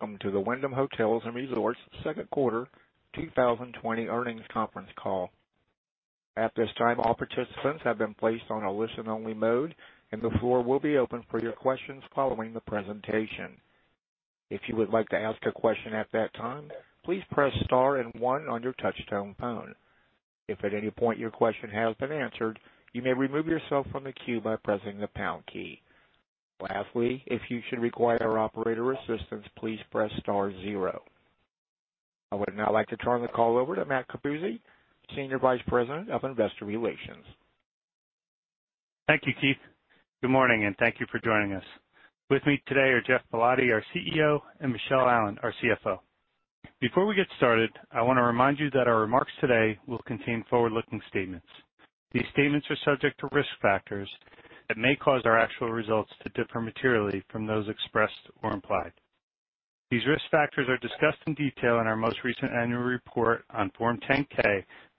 Welcome to the Wyndham Hotels & Resorts second quarter 2020 earnings conference call. At this time, all participants have been placed on a listen-only mode, and the floor will be open for your questions following the presentation. If you would like to ask a question at that time, please press star and one on your touch-tone phone. If at any point your question has been answered, you may remove yourself from the queue by pressing the pound key. Lastly, if you should require operator assistance, please press star zero. I would now like to turn the call over to Matt Capuzzi, Senior Vice President of Investor Relations. Thank you, Keith. Good morning, and thank you for joining us. With me today are Geoff Ballotti, our CEO, and Michele Allen, our CFO. Before we get started, I want to remind you that our remarks today will contain forward-looking statements. These statements are subject to risk factors that may cause our actual results to differ materially from those expressed or implied. These risk factors are discussed in detail in our most recent annual report on Form 10-K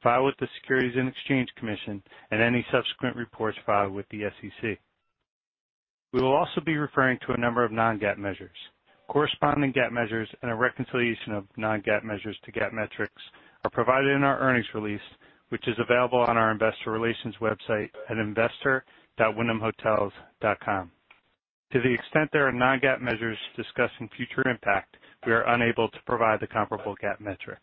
filed with the Securities and Exchange Commission and any subsequent reports filed with the SEC. We will also be referring to a number of non-GAAP measures. Corresponding GAAP measures and a reconciliation of non-GAAP measures to GAAP metrics are provided in our earnings release, which is available on our investor relations website at investor.wyndhamhotels.com. To the extent there are non-GAAP measures discussing future impact, we are unable to provide the comparable GAAP metric.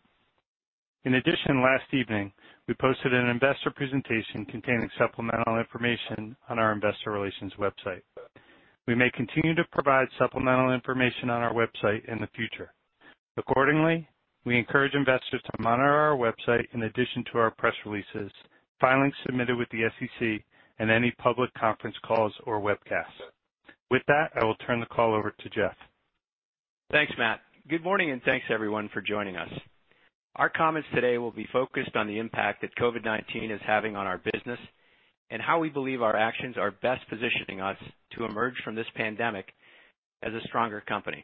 In addition, last evening we posted an investor presentation containing supplemental information on our investor relations website. We may continue to provide supplemental information on our website in the future. Accordingly, we encourage investors to monitor our website in addition to our press releases, filings submitted with the SEC, and any public conference calls or webcasts. With that, I will turn the call over to Geoff. Thanks, Matt. Good morning, and thanks everyone for joining us. Our comments today will be focused on the impact that COVID-19 is having on our business and how we believe our actions are best positioning us to emerge from this pandemic as a stronger company.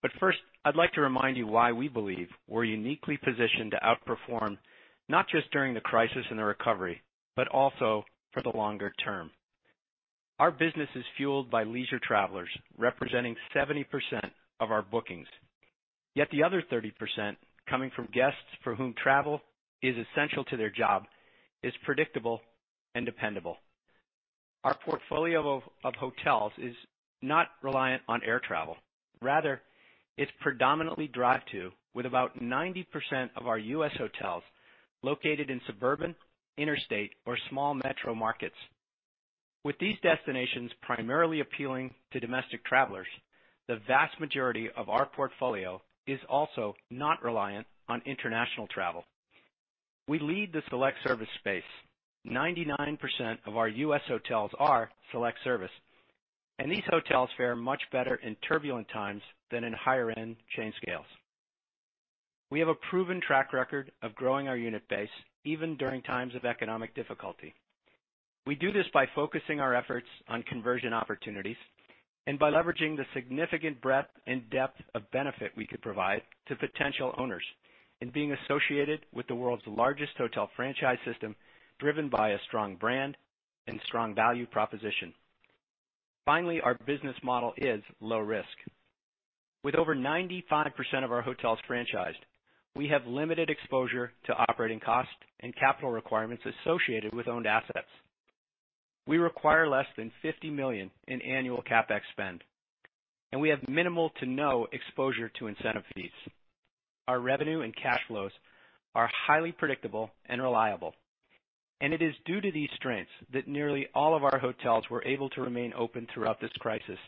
But first, I'd like to remind you why we believe we're uniquely positioned to outperform not just during the crisis and the recovery, but also for the longer term. Our business is fueled by leisure travelers representing 70% of our bookings, yet the other 30% coming from guests for whom travel is essential to their job is predictable and dependable. Our portfolio of hotels is not reliant on air travel; rather, it's predominantly drive-to, with about 90% of our U.S. hotels located in suburban, interstate, or small metro markets. With these destinations primarily appealing to domestic travelers, the vast majority of our portfolio is also not reliant on international travel. We lead the select-service space. 99% of our U.S. hotels are select-service, and these hotels fare much better in turbulent times than in higher-end chain scales. We have a proven track record of growing our unit base even during times of economic difficulty. We do this by focusing our efforts on conversion opportunities and by leveraging the significant breadth and depth of benefit we could provide to potential owners and being associated with the world's largest hotel franchise system driven by a strong brand and strong value proposition. Finally, our business model is low risk. With over 95% of our hotels franchised, we have limited exposure to operating costs and capital requirements associated with owned assets. We require less than $50 million in annual CapEx spend, and we have minimal to no exposure to incentive fees. Our revenue and cash flows are highly predictable and reliable, and it is due to these strengths that nearly all of our hotels were able to remain open throughout this crisis,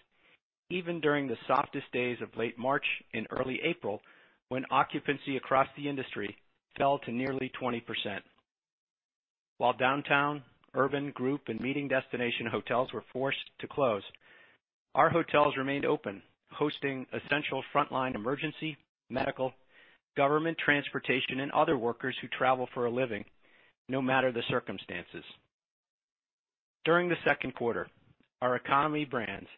even during the softest days of late March and early April when occupancy across the industry fell to nearly 20%. While downtown, urban, group, and meeting destination hotels were forced to close, our hotels remained open, hosting essential frontline emergency, medical, government, transportation, and other workers who travel for a living no matter the circumstances. During the second quarter, our economy brands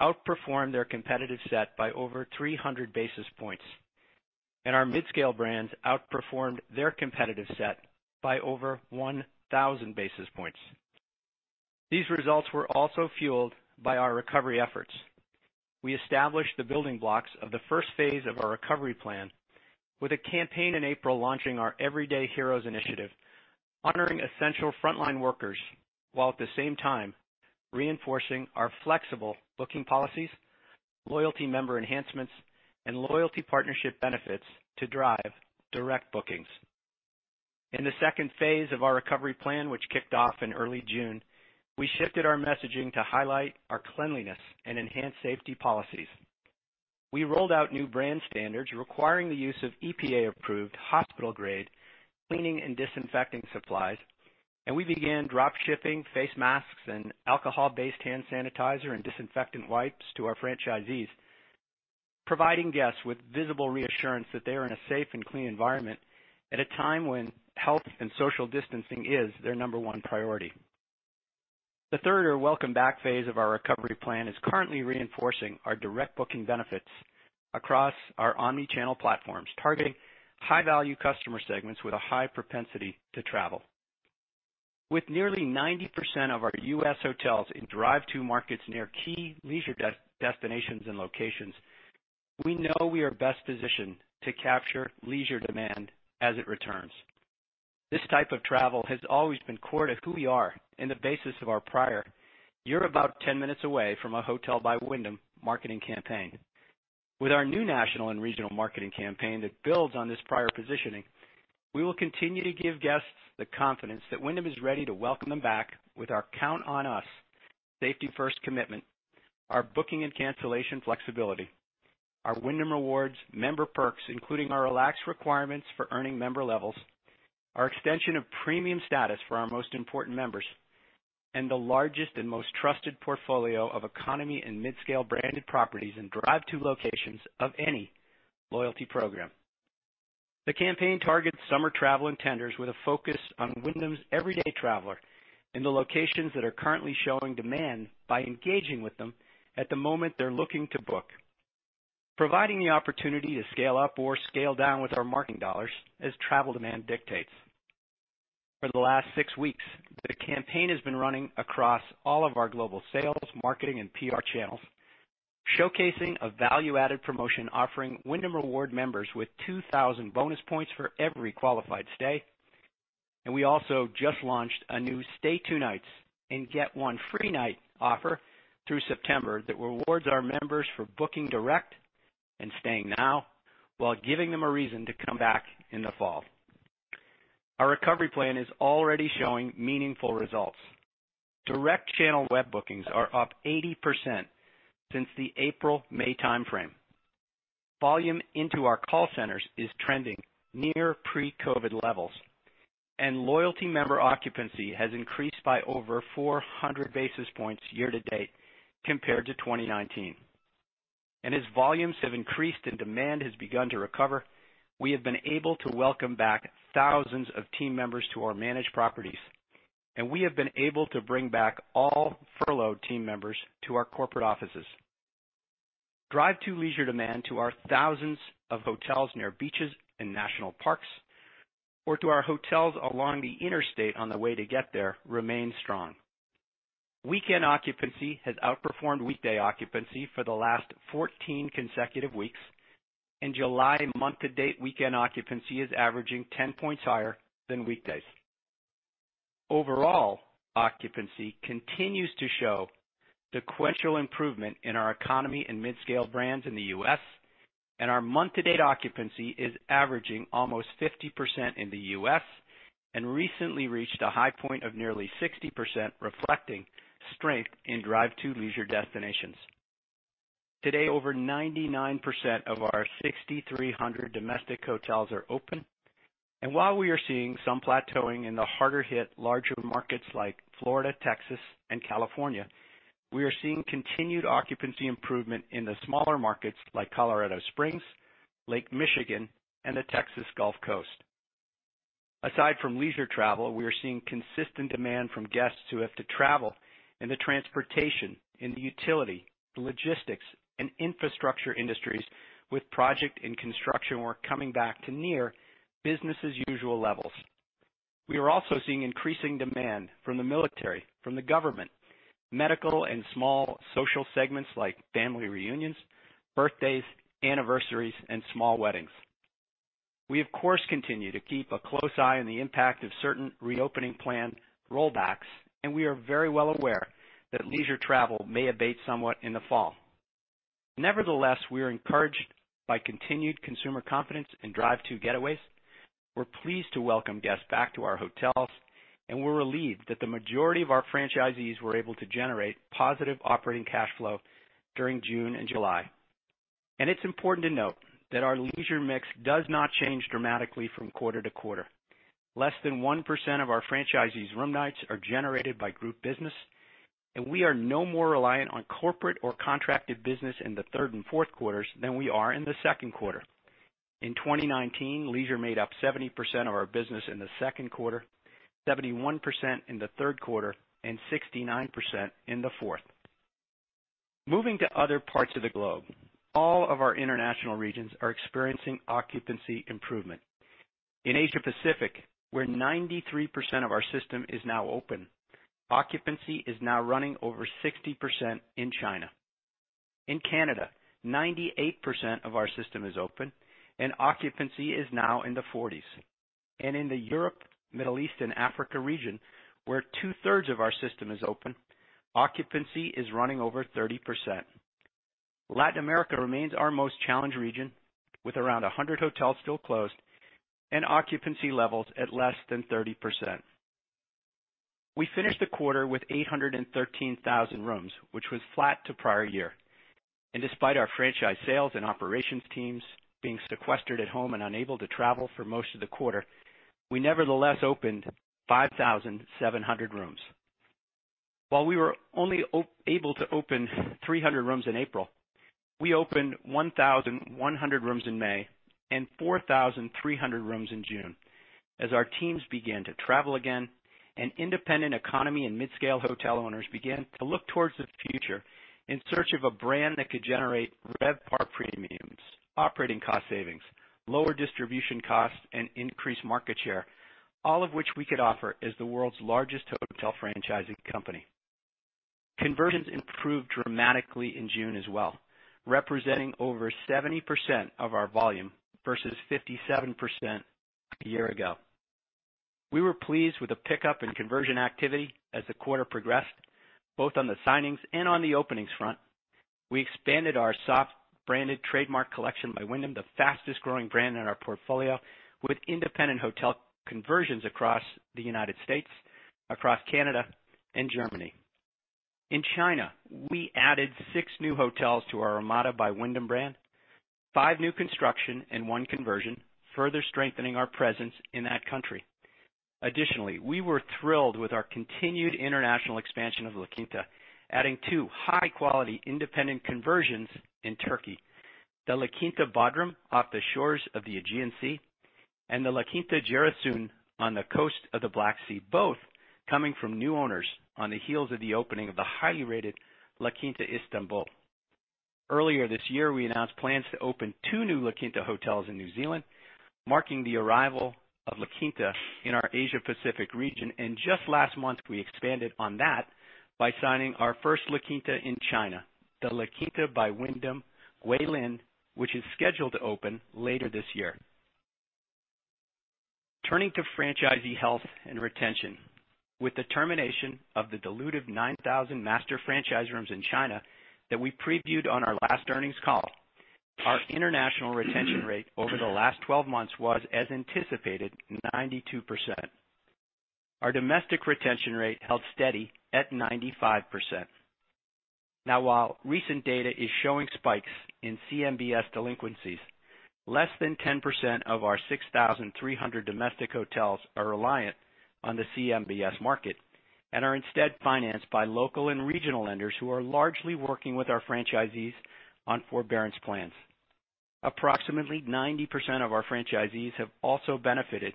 outperformed their competitive set by over 300 basis points, and our mid-scale brands outperformed their competitive set by over 1,000 basis points. These results were also fueled by our recovery efforts. We established the building blocks of the first phase of our recovery plan with a campaign in April launching our Everyday Heroes initiative, honoring essential frontline workers while at the same time reinforcing our flexible booking policies, loyalty member enhancements, and loyalty partnership benefits to drive direct bookings. In the second phase of our recovery plan, which kicked off in early June, we shifted our messaging to highlight our cleanliness and enhanced safety policies. We rolled out new brand standards requiring the use of EPA-approved hospital-grade cleaning and disinfecting supplies, and we began drop shipping face masks and alcohol-based hand sanitizer and disinfectant wipes to our franchisees, providing guests with visible reassurance that they are in a safe and clean environment at a time when health and social distancing is their number one priority. The third or welcome-back phase of our recovery plan is currently reinforcing our direct booking benefits across our omnichannel platforms, targeting high-value customer segments with a high propensity to travel. With nearly 90% of our U.S. hotels in drive-to markets near key leisure destinations and locations, we know we are best positioned to capture leisure demand as it returns. This type of travel has always been core to who we are and the basis of our prior, "You're about 10 minutes away from a hotel by Wyndham" marketing campaign. With our new national and regional marketing campaign that builds on this prior positioning, we will continue to give guests the confidence that Wyndham is ready to welcome them back with our Count on Us safety-first commitment, our booking and cancellation flexibility, our Wyndham Rewards member perks including our relaxed requirements for earning member levels, our extension of premium status for our most important members, and the largest and most trusted portfolio of economy and mid-scale branded properties in drive-to locations of any loyalty program. The campaign targets summer travel intenders with a focus on Wyndham's everyday traveler in the locations that are currently showing demand by engaging with them at the moment they're looking to book, providing the opportunity to scale up or scale down with our marketing dollars as travel demand dictates. For the last six weeks, the campaign has been running across all of our global sales, marketing, and PR channels, showcasing a value-added promotion offering Wyndham Rewards members with 2,000 bonus points for every qualified stay. And we also just launched a new Stay Two Nights and Get One Free Night offer through September that rewards our members for booking direct and staying now while giving them a reason to come back in the fall. Our recovery plan is already showing meaningful results. Direct channel web bookings are up 80% since the April-May timeframe. Volume into our call centers is trending near pre-COVID levels, and loyalty member occupancy has increased by over 400 basis points year to date compared to 2019. As volumes have increased and demand has begun to recover, we have been able to welcome back thousands of team members to our managed properties, and we have been able to bring back all furloughed team members to our corporate offices. Drive-to leisure demand to our thousands of hotels near beaches and national parks or to our hotels along the interstate on the way to get there remains strong. Weekend occupancy has outperformed weekday occupancy for the last 14 consecutive weeks, and July month-to-date weekend occupancy is averaging 10 points higher than weekdays. Overall, occupancy continues to show sequential improvement in our economy and mid-scale brands in the U.S., and our month-to-date occupancy is averaging almost 50% in the U.S. and recently reached a high point of nearly 60%, reflecting strength in drive-to leisure destinations. Today, over 99% of our 6,300 domestic hotels are open, and while we are seeing some plateauing in the harder-hit larger markets like Florida, Texas, and California, we are seeing continued occupancy improvement in the smaller markets like Colorado Springs, Lake Michigan, and the Texas Gulf Coast. Aside from leisure travel, we are seeing consistent demand from guests who have to travel in the transportation, in the utility, the logistics, and infrastructure industries with project and construction work coming back to near business-as-usual levels. We are also seeing increasing demand from the military, from the government, medical, and small social segments like family reunions, birthdays, anniversaries, and small weddings. We, of course, continue to keep a close eye on the impact of certain reopening plan rollbacks, and we are very well aware that leisure travel may abate somewhat in the fall. Nevertheless, we are encouraged by continued consumer confidence in drive-to getaways. We're pleased to welcome guests back to our hotels, and we're relieved that the majority of our franchisees were able to generate positive operating cash flow during June and July, and it's important to note that our leisure mix does not change dramatically from quarter to quarter. Less than 1% of our franchisees' room nights are generated by group business, and we are no more reliant on corporate or contracted business in the third and fourth quarters than we are in the second quarter. In 2019, leisure made up 70% of our business in the second quarter, 71% in the third quarter, and 69% in the fourth. Moving to other parts of the globe, all of our international regions are experiencing occupancy improvement. In Asia Pacific, where 93% of our system is now open, occupancy is now running over 60% in China. In Canada, 98% of our system is open, and occupancy is now in the 40s, and in the Europe, Middle East, and Africa region, where 2/3 of our system is open, occupancy is running over 30%. Latin America remains our most challenged region with around 100 hotels still closed and occupancy levels at less than 30%. We finished the quarter with 813,000 rooms, which was flat to prior year, and despite our franchise sales and operations teams being sequestered at home and unable to travel for most of the quarter, we nevertheless opened 5,700 rooms. While we were only able to open 300 rooms in April, we opened 1,100 rooms in May and 4,300 rooms in June as our teams began to travel again and independent economy and mid-scale hotel owners began to look towards the future in search of a brand that could generate RevPAR premiums, operating cost savings, lower distribution costs, and increased market share, all of which we could offer as the world's largest hotel franchising company. Conversions improved dramatically in June as well, representing over 70% of our volume versus 57% a year ago. We were pleased with the pickup and conversion activity as the quarter progressed, both on the signings and on the openings front. We expanded our soft branded Trademark Collection by Wyndham, the fastest-growing brand in our portfolio, with independent hotel conversions across the United States, across Canada, and Germany. In China, we added six new hotels to our Ramada by Wyndham brand, five new construction, and one conversion, further strengthening our presence in that country. Additionally, we were thrilled with our continued international expansion of La Quinta, adding two high-quality independent conversions in Turkey, the La Quinta Bodrum off the shores of the Aegean Sea and the La Quinta Giresun on the coast of the Black Sea, both coming from new owners on the heels of the opening of the highly rated La Quinta Istanbul. Earlier this year, we announced plans to open two new La Quinta hotels in New Zealand, marking the arrival of La Quinta in our Asia Pacific region, and just last month, we expanded on that by signing our first La Quinta in China, the La Quinta by Wyndham Guilin, which is scheduled to open later this year. Turning to franchisee health and retention, with the termination of the dilutive 9,000 master franchise rooms in China that we previewed on our last earnings call, our international retention rate over the last 12 months was, as anticipated, 92%. Our domestic retention rate held steady at 95%. Now, while recent data is showing spikes in CMBS delinquencies, less than 10% of our 6,300 domestic hotels are reliant on the CMBS market and are instead financed by local and regional lenders who are largely working with our franchisees on forbearance plans. Approximately 90% of our franchisees have also benefited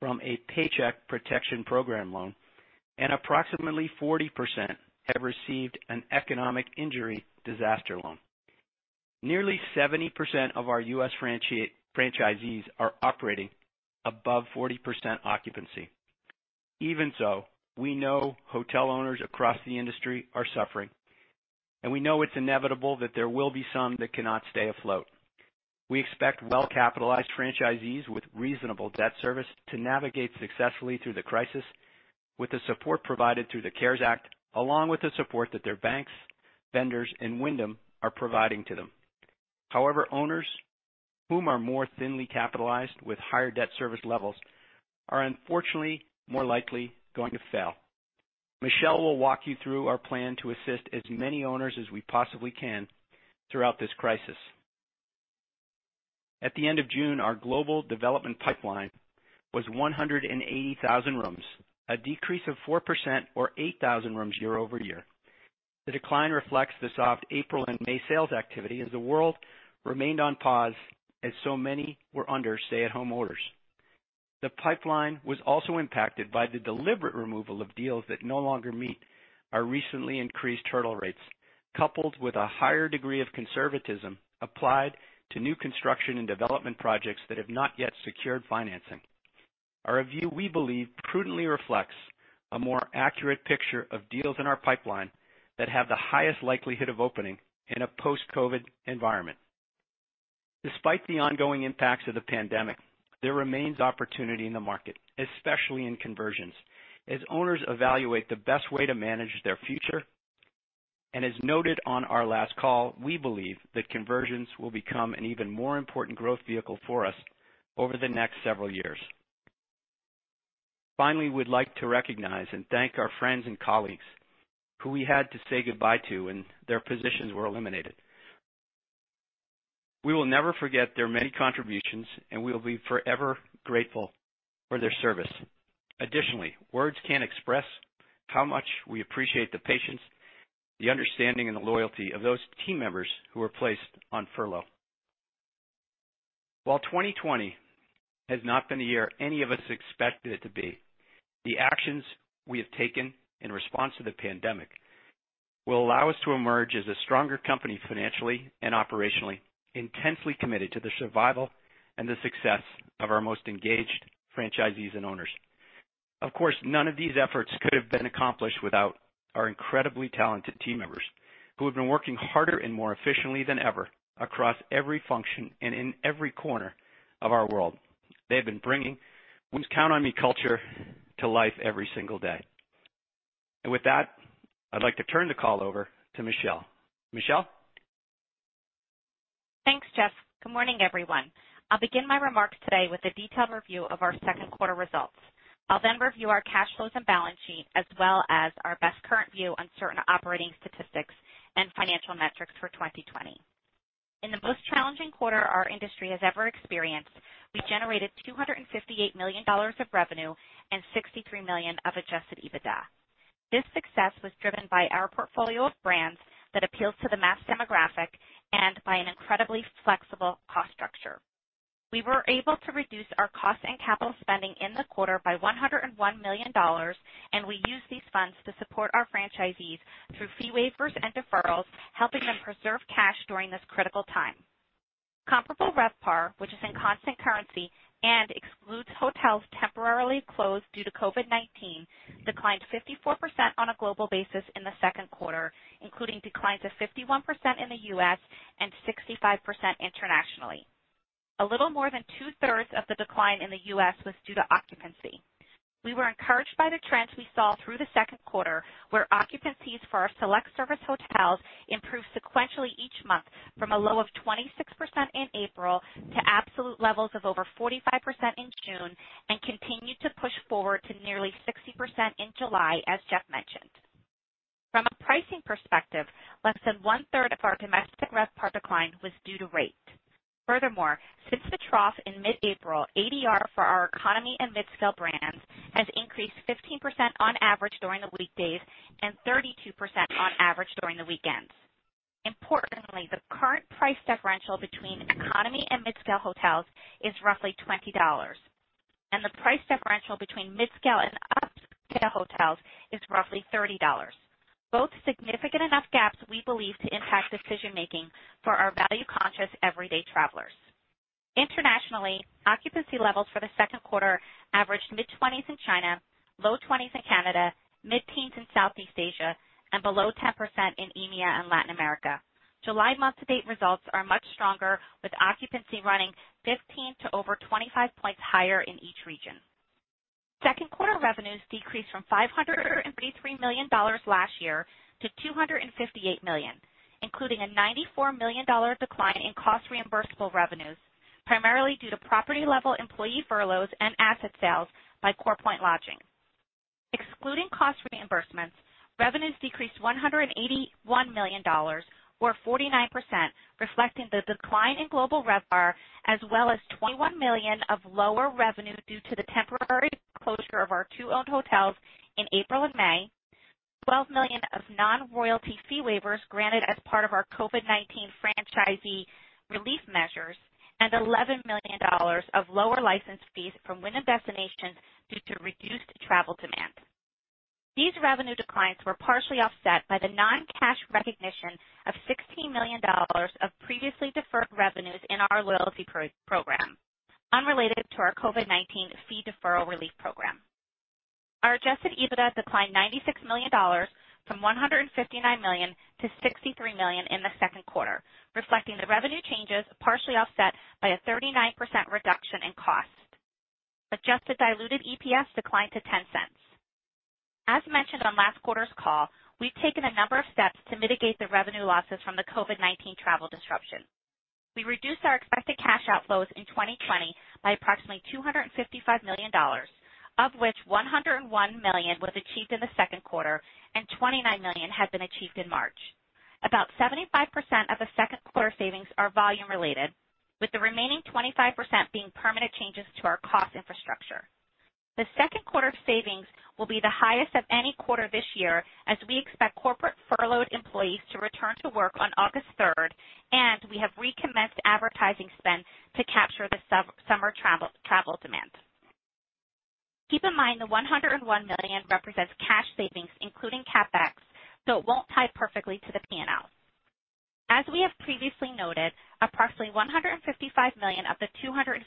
from a Paycheck Protection Program loan, and approximately 40% have received an Economic Injury Disaster Loan. Nearly 70% of our U.S. franchisees are operating above 40% occupancy. Even so, we know hotel owners across the industry are suffering, and we know it's inevitable that there will be some that cannot stay afloat. We expect well-capitalized franchisees with reasonable debt service to navigate successfully through the crisis with the support provided through the CARES Act, along with the support that their banks, vendors, and Wyndham are providing to them. However, owners who are more thinly capitalized with higher debt service levels are unfortunately more likely going to fail. Michele will walk you through our plan to assist as many owners as we possibly can throughout this crisis. At the end of June, our global development pipeline was 180,000 rooms, a decrease of 4% or 8,000 rooms year over year. The decline reflects the soft April and May sales activity as the world remained on pause as so many were under stay-at-home orders. The pipeline was also impacted by the deliberate removal of deals that no longer meet our recently increased hurdle rates, coupled with a higher degree of conservatism applied to new construction and development projects that have not yet secured financing. Our review, we believe, prudently reflects a more accurate picture of deals in our pipeline that have the highest likelihood of opening in a post-COVID environment. Despite the ongoing impacts of the pandemic, there remains opportunity in the market, especially in conversions, as owners evaluate the best way to manage their future. And as noted on our last call, we believe that conversions will become an even more important growth vehicle for us over the next several years. Finally, we'd like to recognize and thank our friends and colleagues who we had to say goodbye to and their positions were eliminated. We will never forget their many contributions, and we will be forever grateful for their service. Additionally, words can't express how much we appreciate the patience, the understanding, and the loyalty of those team members who were placed on furlough. While 2020 has not been the year any of us expected it to be, the actions we have taken in response to the pandemic will allow us to emerge as a stronger company financially and operationally, intensely committed to the survival and the success of our most engaged franchisees and owners. Of course, none of these efforts could have been accomplished without our incredibly talented team members who have been working harder and more efficiently than ever across every function and in every corner of our world. They've been bringing "Won't you count on me" culture to life every single day. With that, I'd like to turn the call over to Michele. Michele. Thanks, Geoff. Good morning, everyone. I'll begin my remarks today with a detailed review of our second quarter results. I'll then review our cash flows and balance sheet as well as our best current view on certain operating statistics and financial metrics for 2020. In the most challenging quarter our industry has ever experienced, we generated $258 million of revenue and $63 million of Adjusted EBITDA. This success was driven by our portfolio of brands that appeals to the mass demographic and by an incredibly flexible cost structure. We were able to reduce our cost and capital spending in the quarter by $101 million, and we used these funds to support our franchisees through fee waivers and deferrals, helping them preserve cash during this critical time. Comparable RevPAR, which is in constant currency and excludes hotels temporarily closed due to COVID-19, declined 54% on a global basis in the second quarter, including declines of 51% in the U.S. and 65% internationally. A little more than 2/3 of the decline in the U.S. was due to occupancy. We were encouraged by the trends we saw through the second quarter, where occupancies for our select service hotels improved sequentially each month from a low of 26% in April to absolute levels of over 45% in June and continued to push forward to nearly 60% in July, as Geoff mentioned. From a pricing perspective, less than 1/3 of our domestic RevPAR decline was due to rate. Furthermore, since the trough in mid-April, ADR for our economy and mid-scale brands has increased 15% on average during the weekdays and 32% on average during the weekends. Importantly, the current price differential between economy and mid-scale hotels is roughly $20, and the price differential between mid-scale and upscale hotels is roughly $30. Both significant enough gaps, we believe, to impact decision-making for our value-conscious everyday travelers. Internationally, occupancy levels for the second quarter averaged mid-20s in China, low 20s in Canada, mid-teens in Southeast Asia, and below 10% in EMEA and Latin America. July month-to-date results are much stronger, with occupancy running 15 to over 25 points higher in each region. Second quarter revenues decreased from [$533] million last year to $258 million, including a $94 million decline in cost reimbursable revenues, primarily due to property-level employee furloughs and asset sales by CorePoint Lodging. Excluding cost reimbursements, revenues decreased $181 million, or 49%, reflecting the decline in global RevPAR, as well as $21 million of lower revenue due to the temporary closure of our two-owned hotels in April and May, $12 million of non-royalty fee waivers granted as part of our COVID-19 franchisee relief measures, and $11 million of lower license fees from Wyndham Destinations due to reduced travel demand. These revenue declines were partially offset by the non-cash recognition of $16 million of previously deferred revenues in our loyalty program, unrelated to our COVID-19 fee deferral relief program. Our Adjusted EBITDA declined $96 million from $159 million to $63 million in the second quarter, reflecting the revenue changes partially offset by a 39% reduction in cost. Adjusted diluted EPS declined to $0.10. As mentioned on last quarter's call, we've taken a number of steps to mitigate the revenue losses from the COVID-19 travel disruption. We reduced our expected cash outflows in 2020 by approximately $255 million, of which $101 million was achieved in the second quarter and $29 million had been achieved in March. About 75% of the second quarter savings are volume-related, with the remaining 25% being permanent changes to our cost infrastructure. The second quarter savings will be the highest of any quarter this year as we expect corporate furloughed employees to return to work on August 3rd, and we have recommenced advertising spend to capture the summer travel demand. Keep in mind the $101 million represents cash savings, including CapEx, so it won't tie perfectly to the P&L. As we have previously noted, approximately $155 million of the $255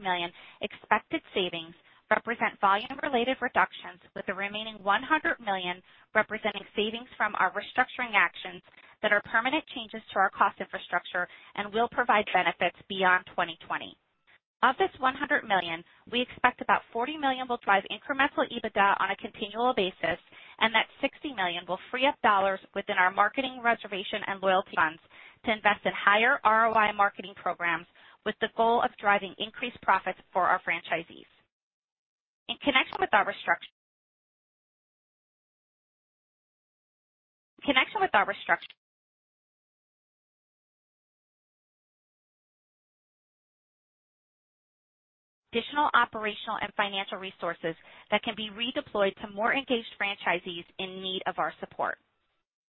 million expected savings represent volume-related reductions, with the remaining $100 million representing savings from our restructuring actions that are permanent changes to our cost infrastructure and will provide benefits beyond 2020. Of this $100 million, we expect about $40 million will drive incremental EBITDA on a continual basis, and that $60 million will free up dollars within our marketing reservation and loyalty funds to invest in higher ROI marketing programs with the goal of driving increased profits for our franchisees. In connection with our restructuring, operational and financial resources that can be redeployed to more engaged franchisees in need of our support.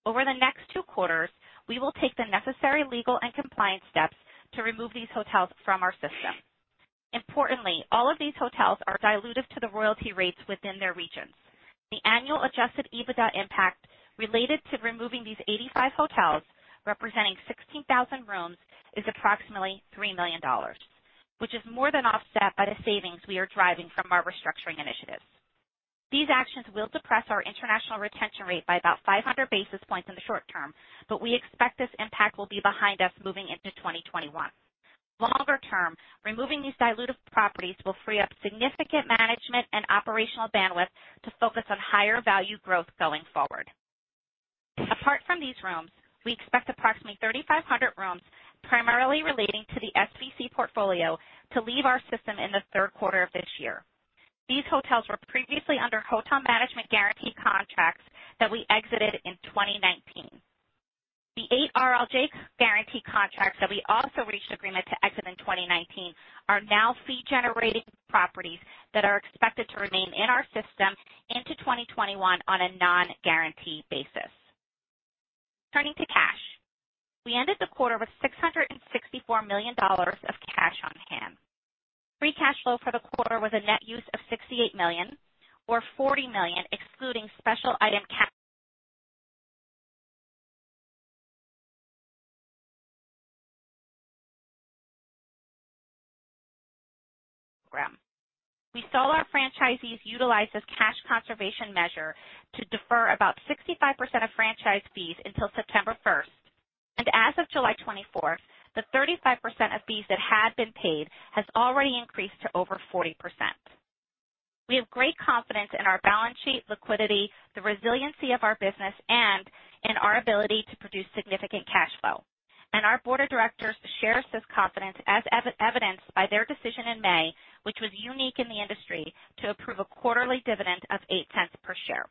Over the next two quarters, we will take the necessary legal and compliance steps to remove these hotels from our system. Importantly, all of these hotels are subject to the royalty rates within their regions. The annual Adjusted EBITDA impact related to removing these 85 hotels, representing 16,000 rooms, is approximately $3 million, which is more than offset by the savings we are driving from our restructuring initiatives. These actions will depress our international retention rate by about 500 basis points in the short term, but we expect this impact will be behind us moving into 2021. Longer term, removing these diluted properties will free up significant management and operational bandwidth to focus on higher value growth going forward. Apart from these rooms, we expect approximately 3,500 rooms, primarily relating to the SVC portfolio, to leave our system in the third quarter of this year. These hotels were previously under hotel management guarantee contracts that we exited in 2019. The Eight RLJ guarantee contracts that we also reached agreement to exit in 2019 are now fee-generating properties that are expected to remain in our system into 2021 on a non-guarantee basis. Turning to cash, we ended the quarter with $664 million of cash on hand. Free cash flow for the quarter was a net use of $68 million, or $40 million excluding special item [cash] program. We saw our franchisees utilize this cash conservation measure to defer about 65% of franchise fees until September 1st, and as of July 24th, the 35% of fees that had been paid has already increased to over 40%. We have great confidence in our balance sheet liquidity, the resiliency of our business, and in our ability to produce significant cash flow. Our board of directors shares this confidence, as evidenced by their decision in May, which was unique in the industry, to approve a quarterly dividend of $0.08 per share.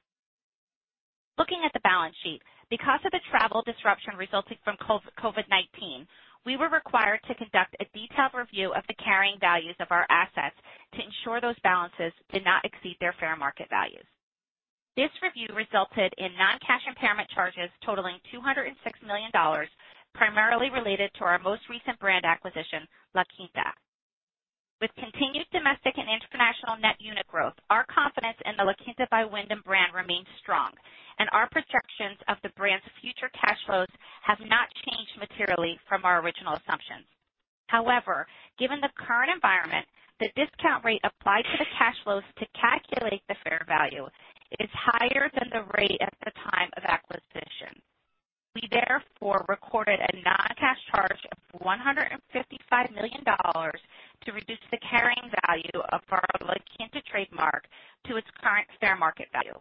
Looking at the balance sheet, because of the travel disruption resulting from COVID-19, we were required to conduct a detailed review of the carrying values of our assets to ensure those balances did not exceed their fair market values. This review resulted in non-cash impairment charges totaling $206 million, primarily related to our most recent brand acquisition, La Quinta. With continued domestic and international net unit growth, our confidence in the La Quinta by Wyndham brand remains strong, and our projections of the brand's future cash flows have not changed materially from our original assumptions. However, given the current environment, the discount rate applied to the cash flows to calculate the fair value is higher than the rate at the time of acquisition. We therefore recorded a non-cash charge of $155 million to reduce the carrying value of our La Quinta trademark to its current fair market value.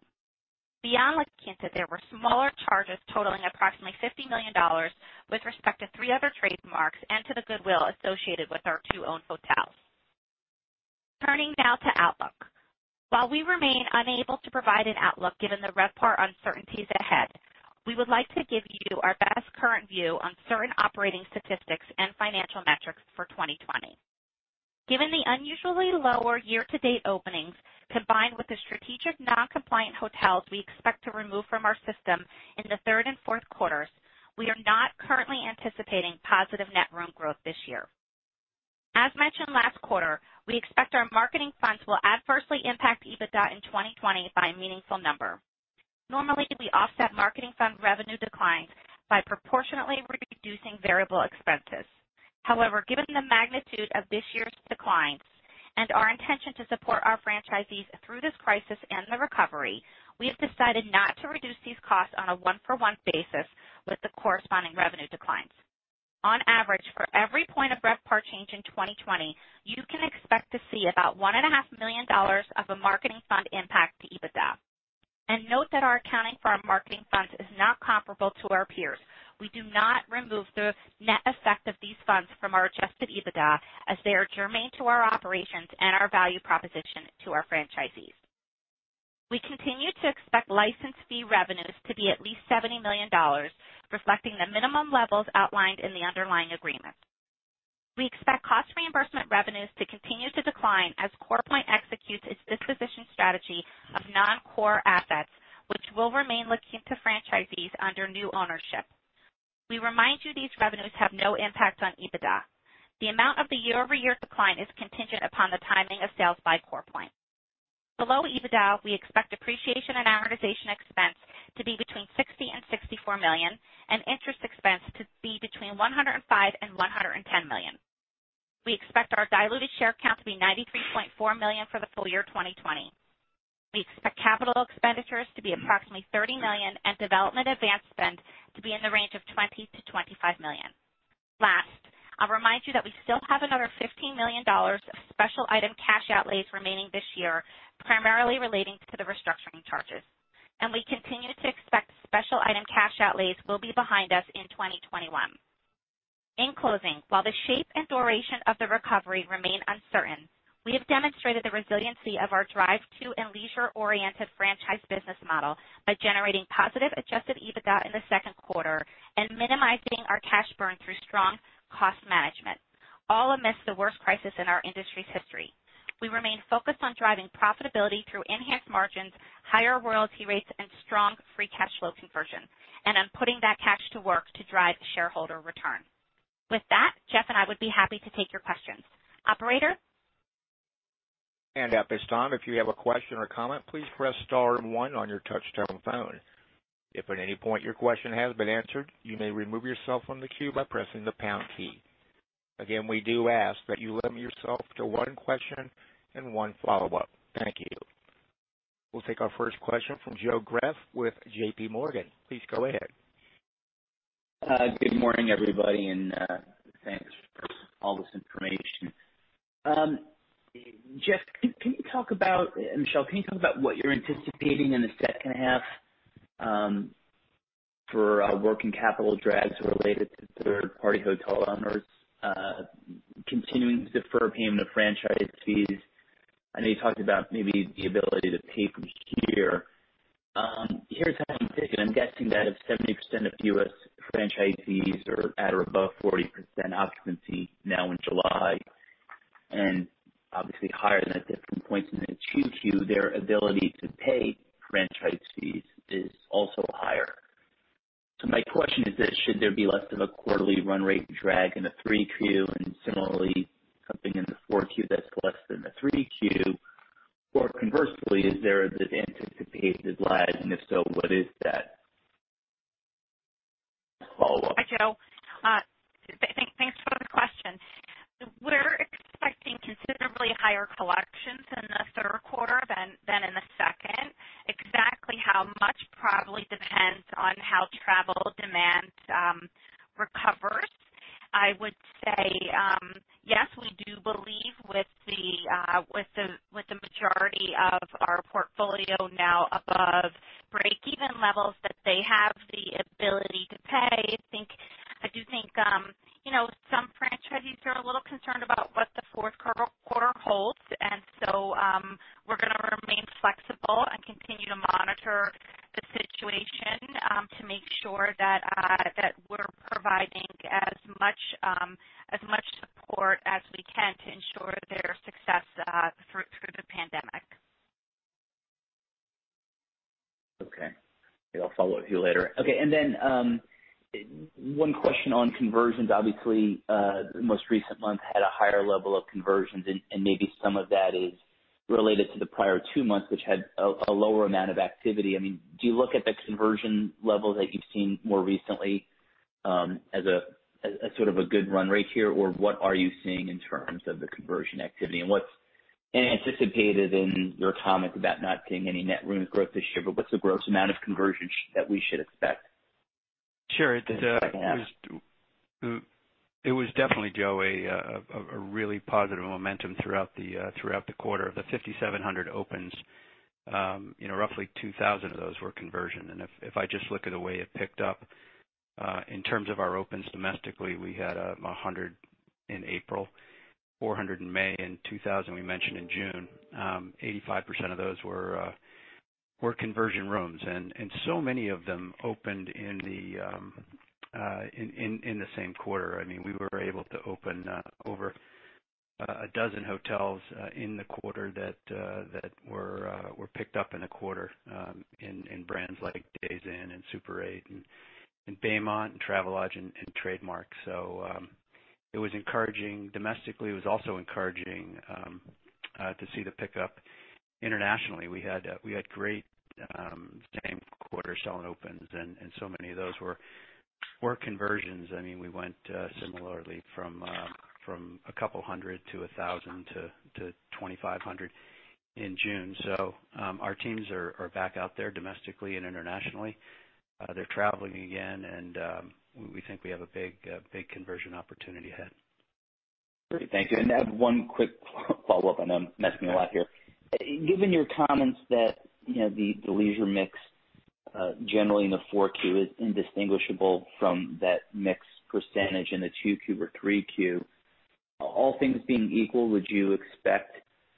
Beyond La Quinta, there were smaller charges totaling approximately $50 million with respect to three other trademarks and to the goodwill associated with our two-owned hotels. Turning now to Outlook. While we remain unable to provide an outlook given the RevPAR uncertainties ahead, we would like to give you our best current view on certain operating statistics and financial metrics for 2020. Given the unusually lower year-to-date openings combined with the strategic non-compliant hotels we expect to remove from our system in the third and fourth quarters, we are not currently anticipating positive net room growth this year. As mentioned last quarter, we expect our marketing funds will adversely impact EBITDA in 2020 by a meaningful number. Normally, we offset marketing fund revenue declines by proportionately reducing variable expenses. However, given the magnitude of this year's declines and our intention to support our franchisees through this crisis and the recovery, we have decided not to reduce these costs on a one-for-one basis with the corresponding revenue declines. On average, for every point of RevPAR change in 2020, you can expect to see about $1.5 million of a marketing fund impact to EBITDA. And note that our accounting for our marketing funds is not comparable to our peers. We do not remove the net effect of these funds from our Adjusted EBITDA as they are germane to our operations and our value proposition to our franchisees. We continue to expect license fee revenues to be at least $70 million, reflecting the minimum levels outlined in the underlying agreement. We expect cost reimbursement revenues to continue to decline as CorePoint executes its disposition strategy of non-core assets, which will remain La Quinta franchisees under new ownership. We remind you these revenues have no impact on EBITDA. The amount of the year-over-year decline is contingent upon the timing of sales by CorePoint. Below EBITDA, we expect depreciation and amortization expense to be between $60 million and $64 million, and interest expense to be between $105 million and $110 million. We expect our diluted share count to be 93.4 million for the full year 2020. We expect capital expenditures to be approximately $30 million and development advance spend to be in the range of $20 million-$25 million. Last, I'll remind you that we still have another $15 million of special item cash outlays remaining this year, primarily relating to the restructuring charges, and we continue to expect special item cash outlays will be behind us in 2021. In closing, while the shape and duration of the recovery remain uncertain, we have demonstrated the resiliency of our drive-to and leisure-oriented franchise business model by generating positive Adjusted EBITDA in the second quarter and minimizing our cash burn through strong cost management, all amidst the worst crisis in our industry's history. We remain focused on driving profitability through enhanced margins, higher royalty rates, and strong free cash flow conversion, and on putting that cash to work to drive shareholder return. With that, Geoff and I would be happy to take your questions. Operator? And at this time, if you have a question or comment, please press star one on your touch-tone phone. If at any point your question has been answered, you may remove yourself from the queue by pressing the pound key. Again, we do ask that you limit yourself to one question and one follow-up. Thank you. We'll take our first question from Joe Greff with JPMorgan. Please go ahead. Good morning, everybody, and thanks for all this information. Geoff, can you talk about, Michele, can you talk about what you're anticipating in the second half for working capital drags related to third-party hotel owners, continuing deferred payment of franchise fees? I know you talked about maybe the ability to pay from here. Here's how I'm thinking. I'm guessing that if 70% of U.S. Franchisees are at or above 40% occupancy now in July, and obviously higher than at different points in the 2Q, their ability to pay franchise fees is also higher. So my question is, should there be less of a quarterly run rate drag in the 3Q, and similarly, something in the 4Q that's less than the 3Q? Or conversely, is there the anticipated lag? And if so, what is that? Follow-up. Hi, Joe. Thanks for the question. We're expecting considerably higher collections in the third quarter than in the second. Exactly how much probably depends on how travel demand recovers. I would say, yes, we do believe with the majority of our portfolio now above break-even levels that they have the ability to pay. I do think some franchisees are a little concerned about what the fourth quarter holds, and so we're going to remain flexible and continue to monitor the situation to make sure that we're providing as much support as we can to ensure their success through the pandemic. Okay. I'll follow up with you later. Okay. And then one question on conversions. Obviously, the most recent month had a higher level of conversions, and maybe some of that is related to the prior two months, which had a lower amount of activity. I mean, do you look at the conversion level that you've seen more recently as a sort of a good run rate here, or what are you seeing in terms of the conversion activity? And what's anticipated in your comments about not seeing any net room growth this year, but what's the gross amount of conversion that we should expect? Sure. It was definitely, Joe, a really positive momentum throughout the quarter. The 5,700 opens, roughly 2,000 of those were conversion. And if I just look at the way it picked up, in terms of our opens domestically, we had 100 in April, 400 in May, and 2,000 we mentioned in June. 85% of those were conversion rooms, and so many of them opened in the same quarter. I mean, we were able to open over a dozen hotels in the quarter that were picked up in the quarter in brands like Days Inn and Super 8 and Baymont and Travelodge and Trademark. So it was encouraging domestically. It was also encouraging to see the pickup internationally. We had great same quarter selling opens, and so many of those were conversions. I mean, we went similarly from a couple hundred to 1,000 to 2,500 in June. So our teams are back out there domestically and internationally. They're traveling again, and we think we have a big conversion opportunity ahead. Great. Thank you. And I have one quick follow-up. I know I'm asking a lot here. Given your comments that the leisure mix generally in the 4Q is indistinguishable from that mix percentage in the 2Q or 3Q, all things being equal, would you expect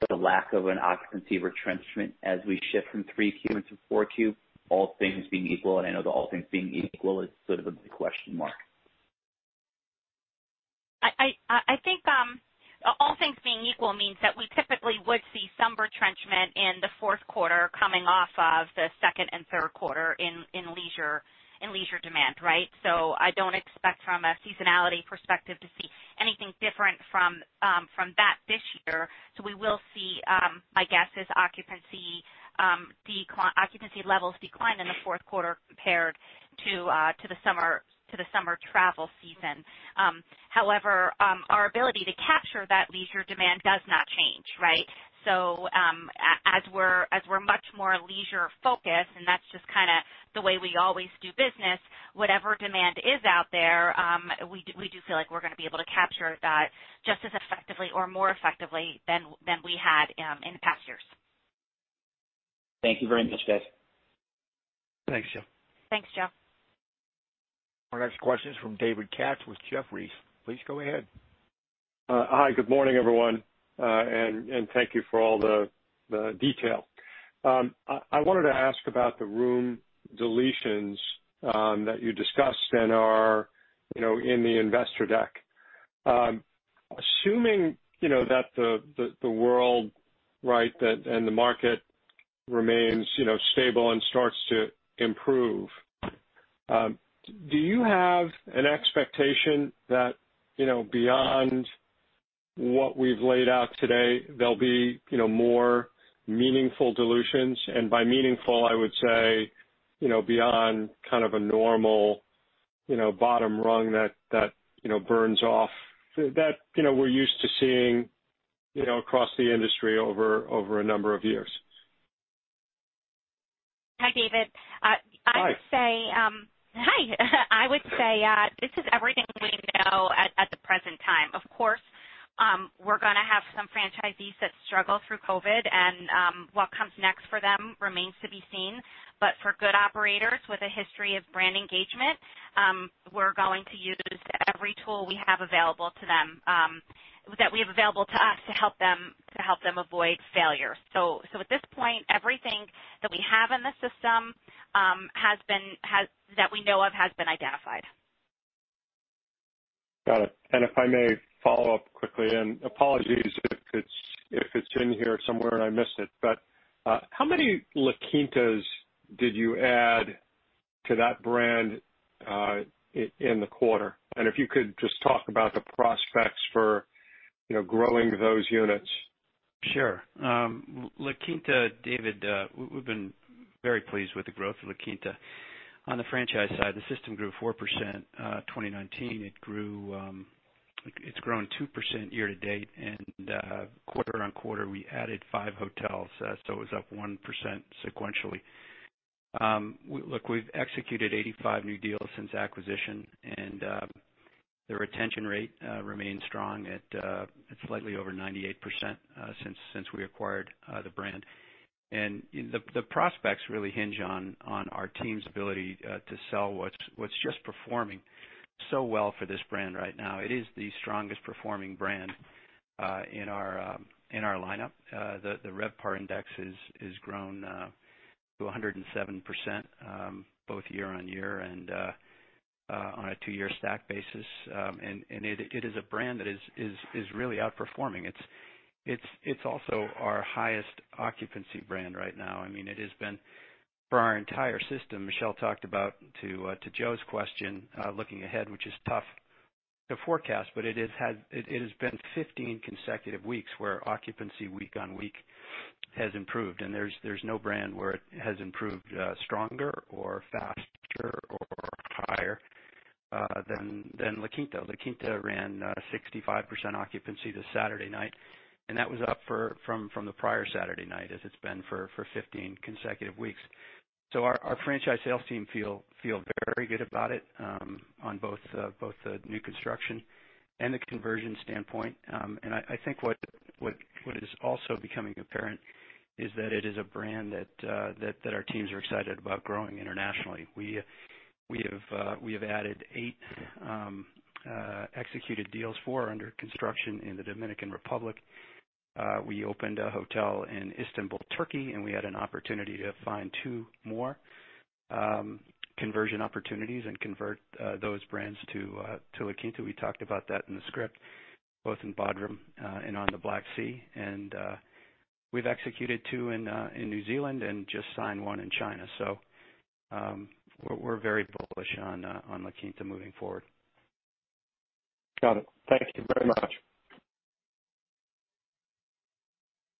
the lack of an occupancy retrenchment as we shift from 3Q into 4Q? All things being equal, and I know that all things being equal is sort of a big question mark. I think all things being equal means that we typically would see some retrenchment in the fourth quarter coming off of the second and third quarter in leisure demand, right? So I don't expect from a seasonality perspective to see anything different from that this year. So we will see, my guess, is occupancy levels decline in the fourth quarter compared to the summer travel season. However, our ability to capture that leisure demand does not change, right? So as we're much more leisure-focused, and that's just kind of the way we always do business, whatever demand is out there, we do feel like we're going to be able to capture that just as effectively or more effectively than we had in the past years. Thank you very much, Geoff. Thanks, Joe. Thanks, Joe. Our next question is from David Katz with Jefferies. Please go ahead. Hi. Good morning, everyone. And thank you for all the detail. I wanted to ask about the room deletions that you discussed and are in the investor deck. Assuming that the world, right, and the market remains stable and starts to improve, do you have an expectation that beyond what we've laid out today, there'll be more meaningful deletions? And by meaningful, I would say beyond kind of a normal bottom rung that burns off that we're used to seeing across the industry over a number of years. Hi, David. Hi. I would say this is everything we know at the present time. Of course, we're going to have some franchisees that struggle through COVID, and what comes next for them remains to be seen. But for good operators with a history of brand engagement, we're going to use every tool we have available to them that we have available to us to help them avoid failure. So at this point, everything that we have in the system that we know of has been identified. Got it. And if I may follow up quickly, and apologies if it's in here somewhere and I missed it, but how many La Quintas did you add to that brand in the quarter? And if you could just talk about the prospects for growing those units. Sure. La Quinta, David, we've been very pleased with the growth of La Quinta. On the franchise side, the system grew 4% in 2019. It's grown 2% year-to-date, and quarter-on-quarter, we added five hotels, so it was up 1% sequentially. Look, we've executed 85 new deals since acquisition, and the retention rate remains strong at slightly over 98% since we acquired the brand. The prospects really hinge on our team's ability to sell what's just performing so well for this brand right now. It is the strongest performing brand in our lineup. The RevPAR index has grown to 107% both year-on-year and on a two-year stack basis. It is a brand that is really outperforming. It's also our highest occupancy brand right now. I mean, it has been, for our entire system, Michele talked about to Joe's question, looking ahead, which is tough to forecast, but it has been 15 consecutive weeks where occupancy week on week has improved. There's no brand where it has improved stronger or faster or higher than La Quinta. La Quinta ran 65% occupancy this Saturday night, and that was up from the prior Saturday night as it's been for 15 consecutive weeks. So our franchise sales team feel very good about it on both the new construction and the conversion standpoint. And I think what is also becoming apparent is that it is a brand that our teams are excited about growing internationally. We have added eight executed deals for under construction in the Dominican Republic. We opened a hotel in Istanbul, Turkey, and we had an opportunity to find two more conversion opportunities and convert those brands to La Quinta. We talked about that in the script, both in Bodrum and on the Black Sea. And we've executed two in New Zealand and just signed one in China. So we're very bullish on La Quinta moving forward. Got it. Thank you very much.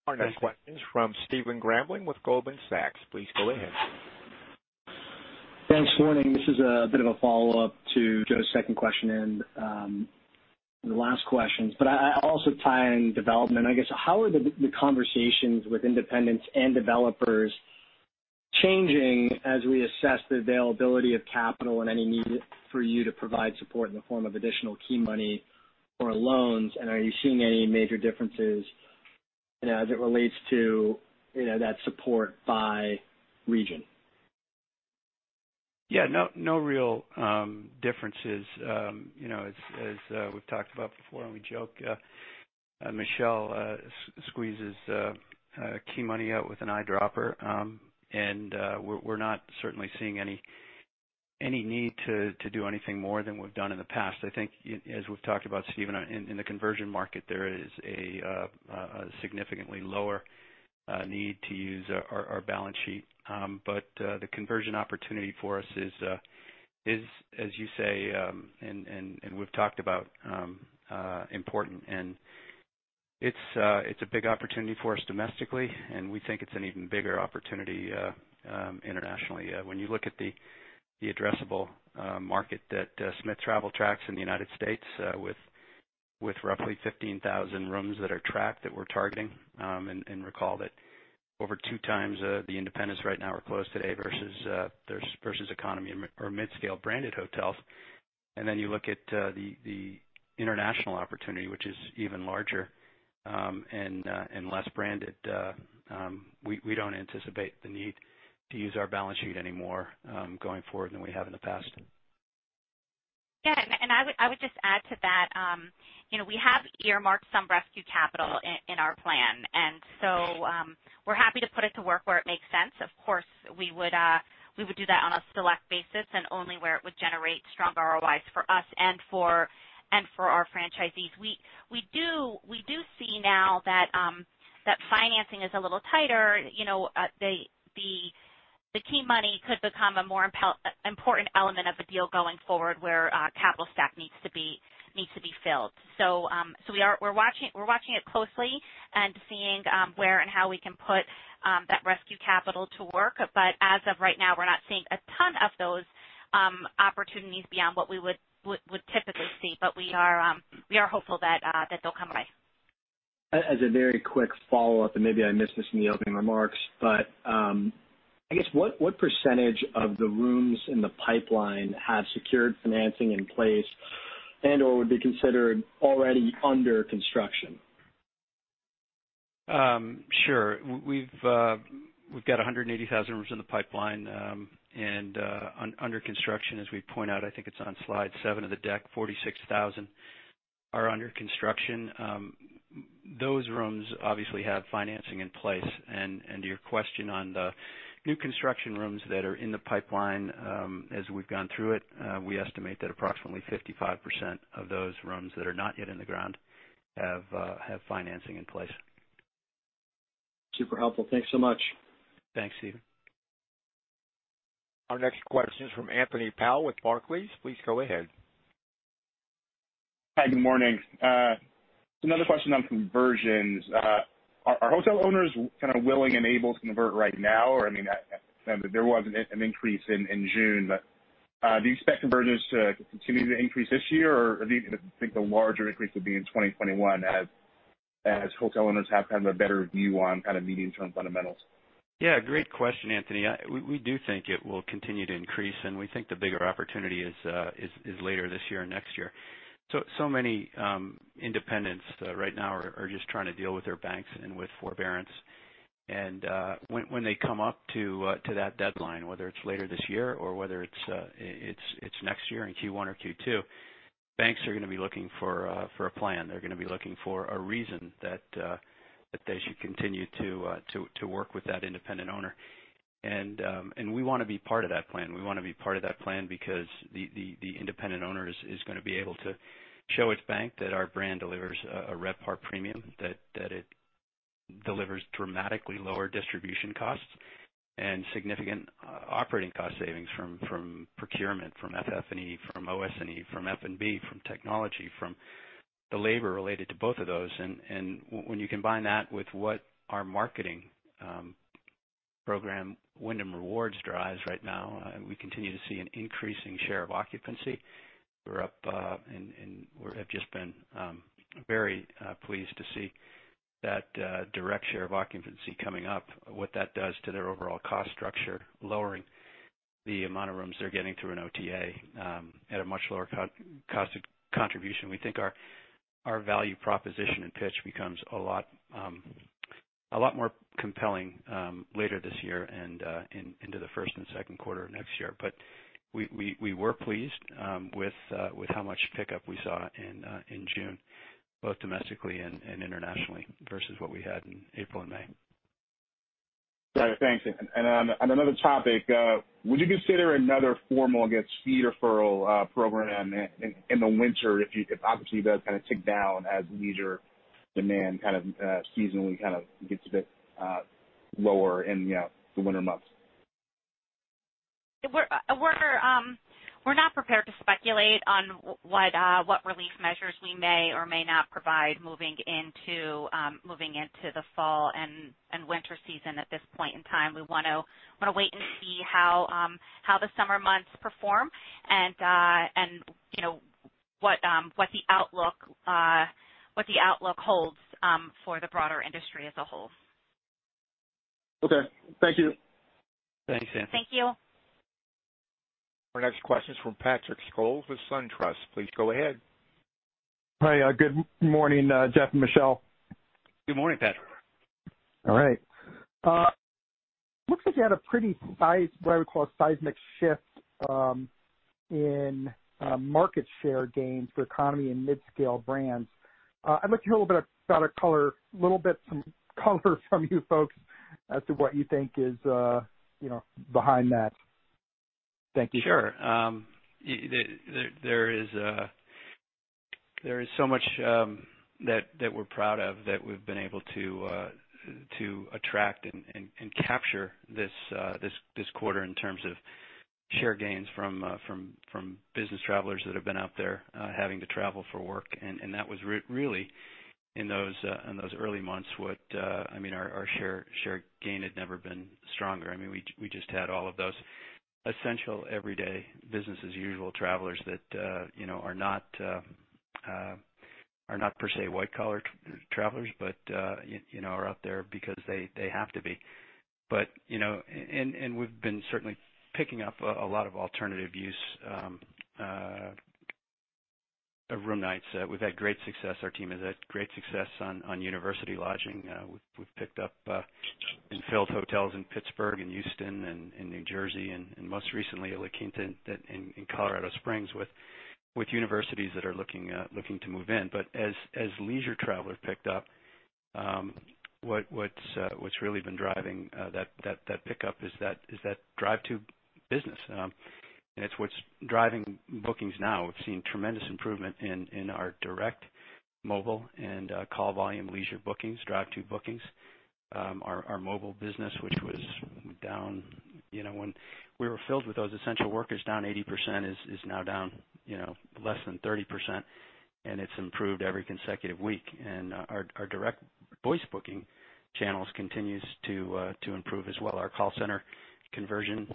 Our next question is from Stephen Grambling with Goldman Sachs. Please go ahead. Thanks. Good morning. This is a bit of a follow-up to Joe's second question and the last questions. But I also tie in development. I guess, how are the conversations with independents and developers changing as we assess the availability of capital and any need for you to provide support in the form of additional key money or loans? And are you seeing any major differences as it relates to that support by region? Yeah. No real differences. As we've talked about before, and we joke, Michele squeezes key money out with an eyedropper. And we're not certainly seeing any need to do anything more than we've done in the past. I think, as we've talked about, Stephen, in the conversion market, there is a significantly lower need to use our balance sheet. But the conversion opportunity for us is, as you say, and we've talked about, important. And it's a big opportunity for us domestically, and we think it's an even bigger opportunity internationally. When you look at the addressable market that Smith Travel tracks in the United States with roughly 15,000 rooms that are tracked that we're targeting, and recall that over two times the independents right now are closed today versus economy or mid-scale branded hotels. And then you look at the international opportunity, which is even larger and less branded. We don't anticipate the need to use our balance sheet anymore going forward than we have in the past. Yeah. And I would just add to that. We have earmarked some rescue capital in our plan, and so we're happy to put it to work where it makes sense. Of course, we would do that on a select basis and only where it would generate strong ROIs for us and for our franchisees. We do see now that financing is a little tighter. The key money could become a more important element of a deal going forward where capital stack needs to be filled. So we're watching it closely and seeing where and how we can put that rescue capital to work. But as of right now, we're not seeing a ton of those opportunities beyond what we would typically see, but we are hopeful that they'll come by. As a very quick follow-up, and maybe I missed this in the opening remarks, but I guess what percentage of the rooms in the pipeline have secured financing in place and/or would be considered already under construction? Sure. We've got 180,000 rooms in the pipeline and under construction. As we point out, I think it's on Slide seven of the deck, 46,000 are under construction. Those rooms obviously have financing in place, and to your question on the new construction rooms that are in the pipeline, as we've gone through it, we estimate that approximately 55% of those rooms that are not yet in the ground have financing in place. Super helpful. Thanks so much. Thanks, Stephen. Our next question is from Anthony Powell with Barclays. Please go ahead. Hi. Good morning. Another question on conversions. Are hotel owners kind of willing and able to convert right now? I mean, there was an increase in June, but do you expect converters to continue to increase this year, or do you think the larger increase will be in 2021 as hotel owners have kind of a better view on kind of medium-term fundamentals? Yeah. Great question, Anthony. We do think it will continue to increase, and we think the bigger opportunity is later this year and next year. So many independents right now are just trying to deal with their banks and with forbearance. And when they come up to that deadline, whether it's later this year or whether it's next year in Q1 or Q2, banks are going to be looking for a plan. They're going to be looking for a reason that they should continue to work with that independent owner. And we want to be part of that plan. We want to be part of that plan because the independent owner is going to be able to show its bank that our brand delivers a RevPAR premium, that it delivers dramatically lower distribution costs and significant operating cost savings from procurement, from FF&E, from OS&E, from F&B, from technology, from the labor related to both of those, and when you combine that with what our marketing program, Wyndham Rewards, drives right now, we continue to see an increasing share of occupancy. We're up, and we have just been very pleased to see that direct share of occupancy coming up, what that does to their overall cost structure, lowering the amount of rooms they're getting through an OTA at a much lower cost contribution. We think our value proposition and pitch becomes a lot more compelling later this year and into the first and second quarter of next year. But we were pleased with how much pickup we saw in June, both domestically and internationally, versus what we had in April and May. Got it. Thanks. And on another topic, would you consider another formal [advance] fee deferral program in the winter if, obviously, it does kind of tick down as leisure demand kind of seasonally kind of gets a bit lower in the winter months? We're not prepared to speculate on what relief measures we may or may not provide moving into the fall and winter season at this point in time. We want to wait and see how the summer months perform and what the outlook holds for the broader industry as a whole. Okay. Thank you. Thanks, Anthony. Thank you. Our next question is from Patrick Scholes with SunTrust. Please go ahead. Hi. Good morning, Geoff and Michele. Good morning, Patrick. All right. Looks like you had a pretty what I would call a seismic shift in market share gains for economy and mid-scale brands. I'd like to hear a little bit about a color, a little bit some color from you folks as to what you think is behind that. Thank you. Sure. There is so much that we're proud of that we've been able to attract and capture this quarter in terms of share gains from business travelers that have been out there having to travel for work. And that was really in those early months, I mean, our share gain had never been stronger. I mean, we just had all of those essential everyday business-as-usual travelers that are not per se white-collar travelers but are out there because they have to be. And we've been certainly picking up a lot of alternative use of room nights. We've had great success. Our team has had great success on university lodging. We've picked up and filled hotels in Pittsburgh and Houston and New Jersey, and most recently at La Quinta in Colorado Springs with universities that are looking to move in. But as leisure travelers picked up, what's really been driving that pickup is that drive-to business. And it's what's driving bookings now. We've seen tremendous improvement in our direct, mobile, and call volume leisure bookings, drive-to bookings. Our mobile business, which was down when we were filled with those essential workers, down 80%, is now down less than 30%, and it's improved every consecutive week. And our direct voice booking channels continue to improve as well. Our call center conversion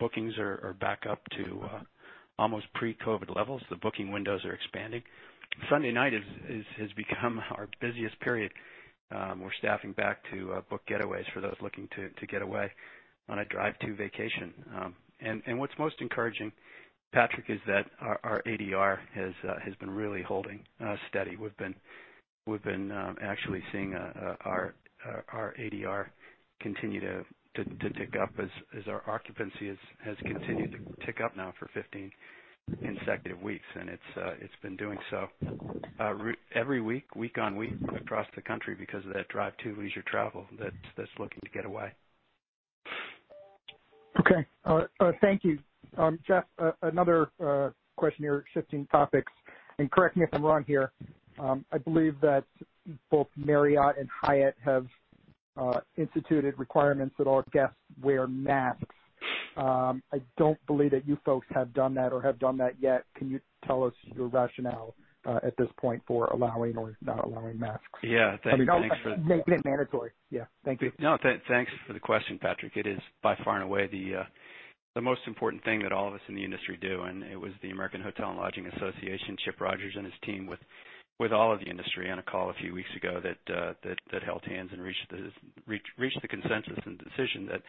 bookings are back up to almost pre-COVID levels. The booking windows are expanding. Sunday night has become our busiest period. We're starting back to book getaways for those looking to get away on a drive-to vacation. What's most encouraging, Patrick, is that our ADR has been really holding steady. We've been actually seeing our ADR continue to tick up as our occupancy has continued to tick up now for 15 consecutive weeks. It's been doing so every week, week-on-week across the country because of that drive-to leisure travel that's looking to get away. Okay. Thank you. Geoff, another question here, shifting topics. Correct me if I'm wrong here. I believe that both Marriott and Hyatt have instituted requirements that all guests wear masks. I don't believe that you folks have done that or have done that yet. Can you tell us your rationale at this point for allowing or not allowing masks? Yeah. Thank you. I mean, I'll take for the mandatory. Yeah. Thank you. No, thanks for the question, Patrick. It is by far and away the most important thing that all of us in the industry do, and it was the American Hotel & Lodging Association, Chip Rogers and his team with all of the industry on a call a few weeks ago that held hands and reached the consensus and decision that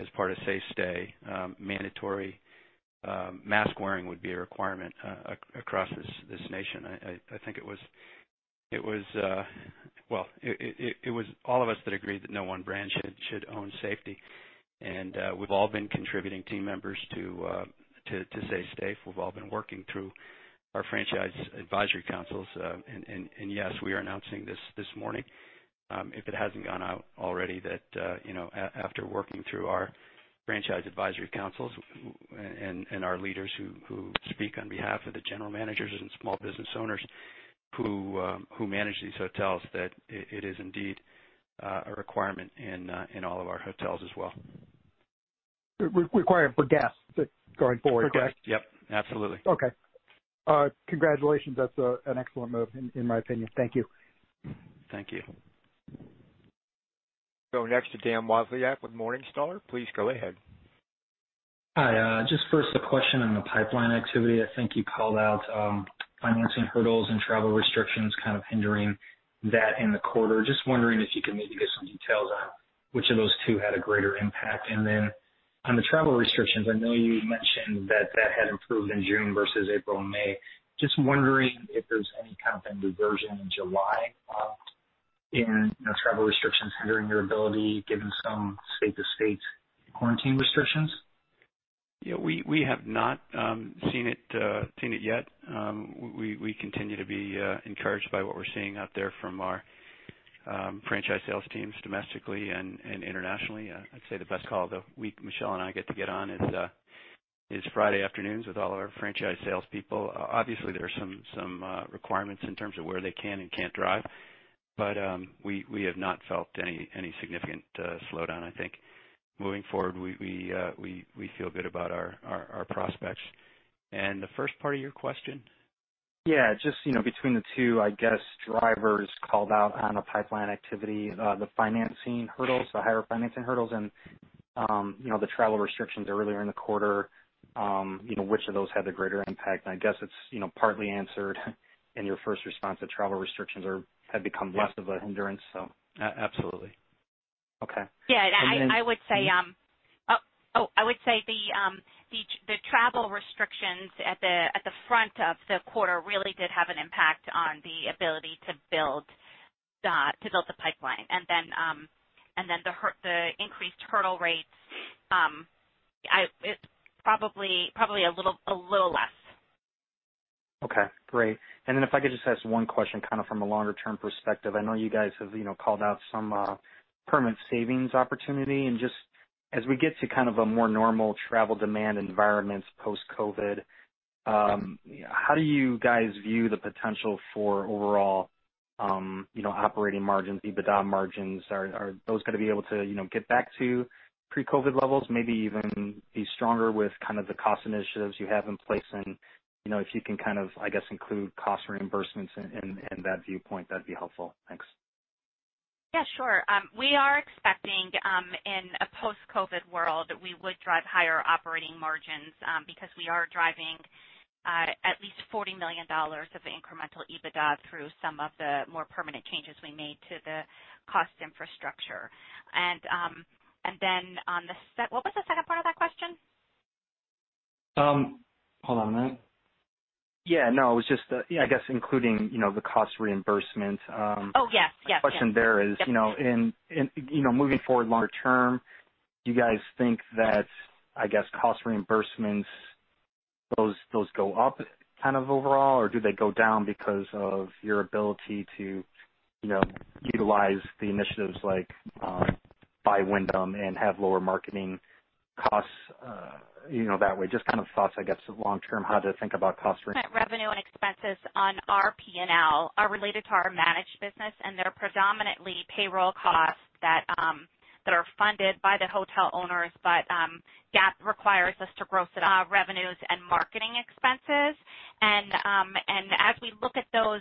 as part of Safe Stay, mandatory mask wearing would be a requirement across this nation. I think it was, well, it was all of us that agreed that no one brand should own safety, and we've all been contributing team members to Safe Stay. We've all been working through our franchise advisory councils. Yes, we are announcing this morning, if it hasn't gone out already, that after working through our franchise advisory councils and our leaders who speak on behalf of the general managers and small business owners who manage these hotels, that it is indeed a requirement in all of our hotels as well. Requirement for guests going forward, correct? Correct. Yep. Absolutely. Okay. Congratulations. That's an excellent move, in my opinion. Thank you. Thank you. Going next to Dan Wasiolek with Morningstar. Please go ahead. Hi. Just first, a question on the pipeline activity. I think you called out financing hurdles and travel restrictions kind of hindering that in the quarter. Just wondering if you could maybe give some details on which of those two had a greater impact. And then on the travel restrictions, I know you mentioned that that had improved in June versus April and May. Just wondering if there's any kind of a diversion in July in travel restrictions hindering your ability, given some state-to-state quarantine restrictions? Yeah. We have not seen it yet. We continue to be encouraged by what we're seeing out there from our franchise sales teams domestically and internationally. I'd say the best call the week Michele and I get to get on is Friday afternoons with all of our franchise salespeople. Obviously, there are some requirements in terms of where they can and can't drive, but we have not felt any significant slowdown, I think. Moving forward, we feel good about our prospects. And the first part of your question? Yeah. Just between the two, I guess, drivers called out on a pipeline activity, the financing hurdles, the higher financing hurdles, and the travel restrictions earlier in the quarter, which of those had the greater impact? I guess it's partly answered in your first response that travel restrictions have become less of a hindrance, so. Absolutely. Okay. Yeah. I would say, oh, I would say the travel restrictions at the front of the quarter really did have an impact on the ability to build the pipeline. And then the increased hurdle rates, probably a little less. Okay. Great. And then if I could just ask one question kind of from a longer-term perspective. I know you guys have called out some permanent savings opportunity. And just as we get to kind of a more normal travel demand environment post-COVID, how do you guys view the potential for overall operating margins, EBITDA margins? Are those going to be able to get back to pre-COVID levels, maybe even be stronger with kind of the cost initiatives you have in place? And if you can kind of, I guess, include cost reimbursements and that viewpoint, that'd be helpful. Thanks. Yeah. Sure. We are expecting, in a post-COVID world, we would drive higher operating margins because we are driving at least $40 million of incremental EBITDA through some of the more permanent changes we made to the cost infrastructure. And then on the what was the second part of that question? Hold on a minute. Yeah. No, it was just, yeah, I guess including the cost reimbursement. Oh, yes. Yes. The question there is, moving forward longer term, you guys think that, I guess, cost reimbursements, those go up kind of overall, or do they go down because of your ability to utilize the initiatives like by Wyndham and have lower marketing costs that way? Just kind of thoughts, I guess, long-term, how to think about cost. Revenue and expenses on our P&L are related to our managed business, and they're predominantly payroll costs that are funded by the hotel owners, but that requires us to gross it, revenues and marketing expenses, and as we look at those,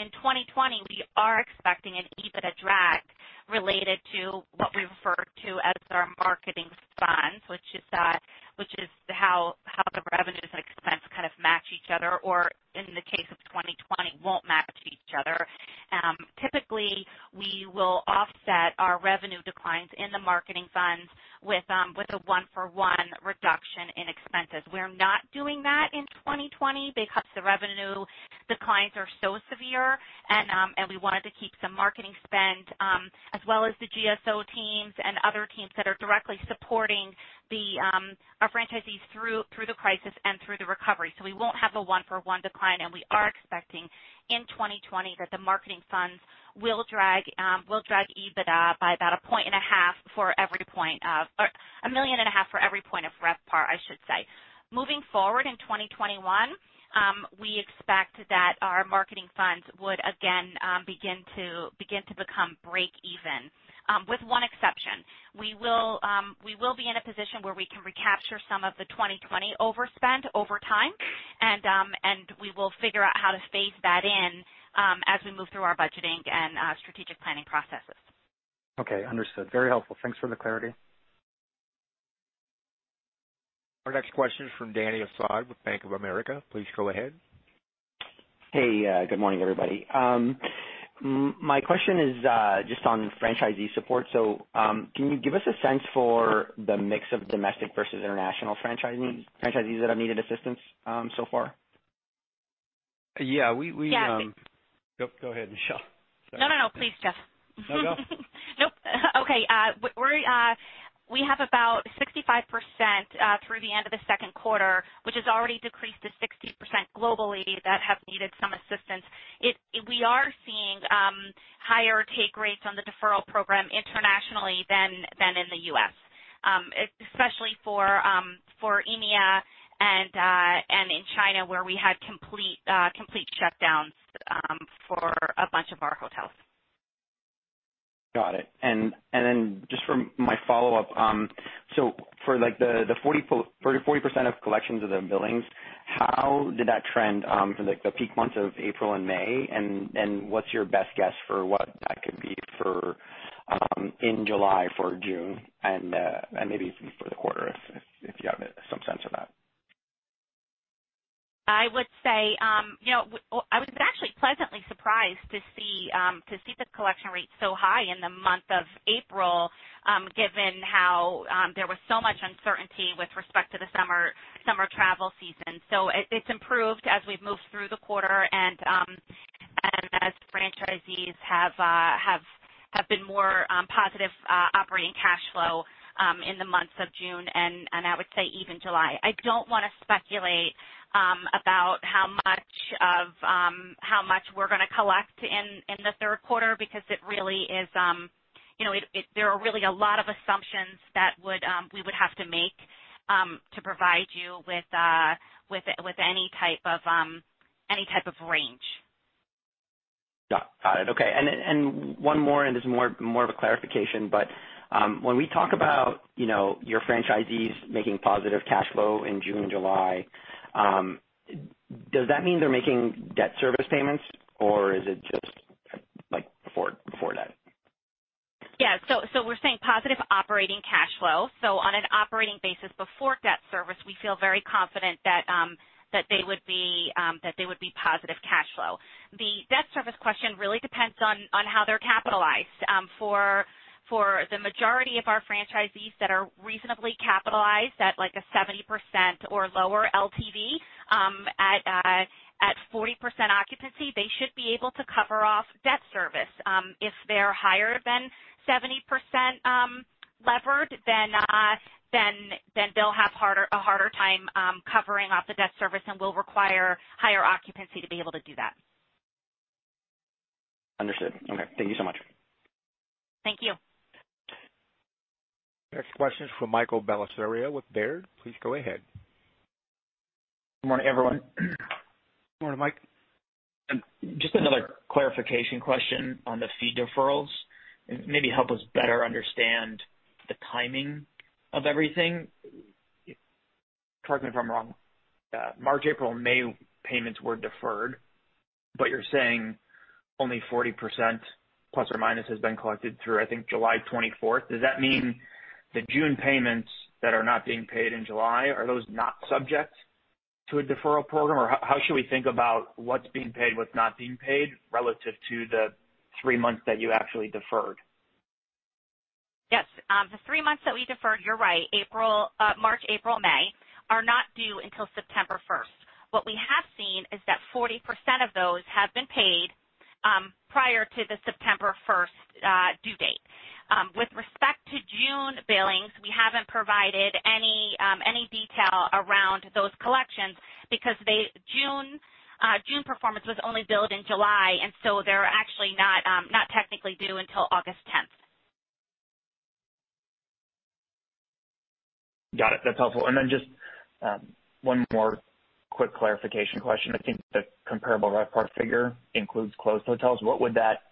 in 2020, we are expecting an EBITDA drag related to what we refer to as our marketing funds, which is how the revenues and expenses kind of match each other, or in the case of 2020, won't match each other. Typically, we will offset our revenue declines in the marketing funds with a one-for-one reduction in expenses. We're not doing that in 2020 because the revenue declines are so severe, and we wanted to keep some marketing spend as well as the GSO teams and other teams that are directly supporting our franchisees through the crisis and through the recovery. So we won't have a one-for-one decline. We are expecting in 2020 that the marketing funds will drag EBITDA by about a 0.5 for every point of or a 1.5 million every point of RevPAR, I should say. Moving forward in 2021, we expect that our marketing funds would, again, begin to become break-even, with one exception. We will be in a position where we can recapture some of the 2020 overspend over time, and we will figure out how to phase that in as we move through our budgeting and strategic planning processes. Okay. Understood. Very helpful. Thanks for the clarity. Our next question is from Dany Asad with Bank of America. Please go ahead. Hey. Good morning, everybody. My question is just on franchisee support. So can you give us a sense for the mix of domestic versus international franchisees that have needed assistance so far? Yeah. We Yeah. Go ahead, Michele. No, no, no. Please, Geoff. No, go. Nope. Okay. We have about 65% through the end of the second quarter, which has already decreased to 60% globally that have needed some assistance. We are seeing higher take rates on the deferral program internationally than in the U.S., especially for EMEA and in China where we had complete shutdowns for a bunch of our hotels. Got it. And then just for my follow-up, so for the 40% of collections of the billings, how did that trend for the peak months of April and May? And what's your best guess for what that could be in July for June and maybe even for the quarter if you have some sense of that? I would say I was actually pleasantly surprised to see the collection rate so high in the month of April, given how there was so much uncertainty with respect to the summer travel season. So it's improved as we've moved through the quarter and as franchisees have been more positive operating cash flow in the months of June and I would say even July. I don't want to speculate about how much we're going to collect in the third quarter because it really is there are really a lot of assumptions that we would have to make to provide you with any type of range. Got it. Okay. And one more, and this is more of a clarification, but when we talk about your franchisees making positive cash flow in June and July, does that mean they're making debt service payments, or is it just before that? Yeah. So we're saying positive operating cash flow. So on an operating basis before debt service, we feel very confident that they would be positive cash flow. The debt service question really depends on how they're capitalized. For the majority of our franchisees that are reasonably capitalized, at like a 70% or lower LTV at 40% occupancy, they should be able to cover off debt service. If they're higher than 70% levered, then they'll have a harder time covering off the debt service and will require higher occupancy to be able to do that. Understood. Okay. Thank you so much. Thank you. Next question is from Michael Bellisario with Baird. Please go ahead. Good morning, everyone. Good morning, Mike. Just another clarification question on the fee deferrals. Maybe help us better understand the timing of everything. Correct me if I'm wrong. March, April, and May payments were deferred, but you're saying only 40%± has been collected through, I think, July 24th. Does that mean the June payments that are not being paid in July are those not subject to a deferral program? Or how should we think about what's being paid, what's not being paid relative to the three months that you actually deferred? Yes. The three months that we deferred, you're right, March, April, May, are not due until September 1st. What we have seen is that 40% of those have been paid prior to the September 1st due date. With respect to June billings, we haven't provided any detail around those collections because June performance was only billed in July, and so they're actually not technically due until August 10th. Got it. That's helpful, and then just one more quick clarification question. I think the comparable RevPAR figure includes closed hotels. What would that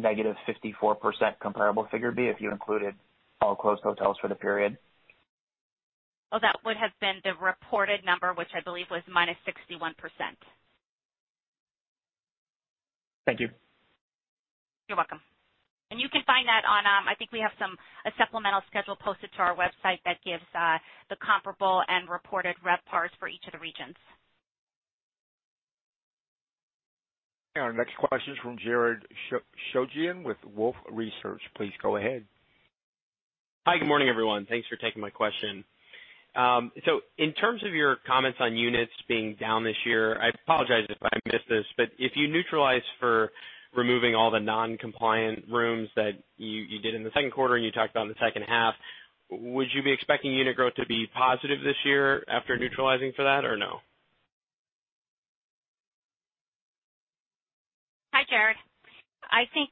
-54% comparable figure be if you included all closed hotels for the period? Well, that would have been the reported number, which I believe was -61%. Thank you. You're welcome. And you can find that on. I think we have a supplemental schedule posted to our website that gives the comparable and reported RevPARs for each of the regions. All right. Next question is from Jared Shojaian with Wolfe Research. Please go ahead. Hi. Good morning, everyone. Thanks for taking my question. So in terms of your comments on units being down this year, I apologize if I missed this, but if you neutralize for removing all the non-compliant rooms that you did in the second quarter and you talked about in the second half, would you be expecting unit growth to be positive this year after neutralizing for that, or no? Hi, Jared. I think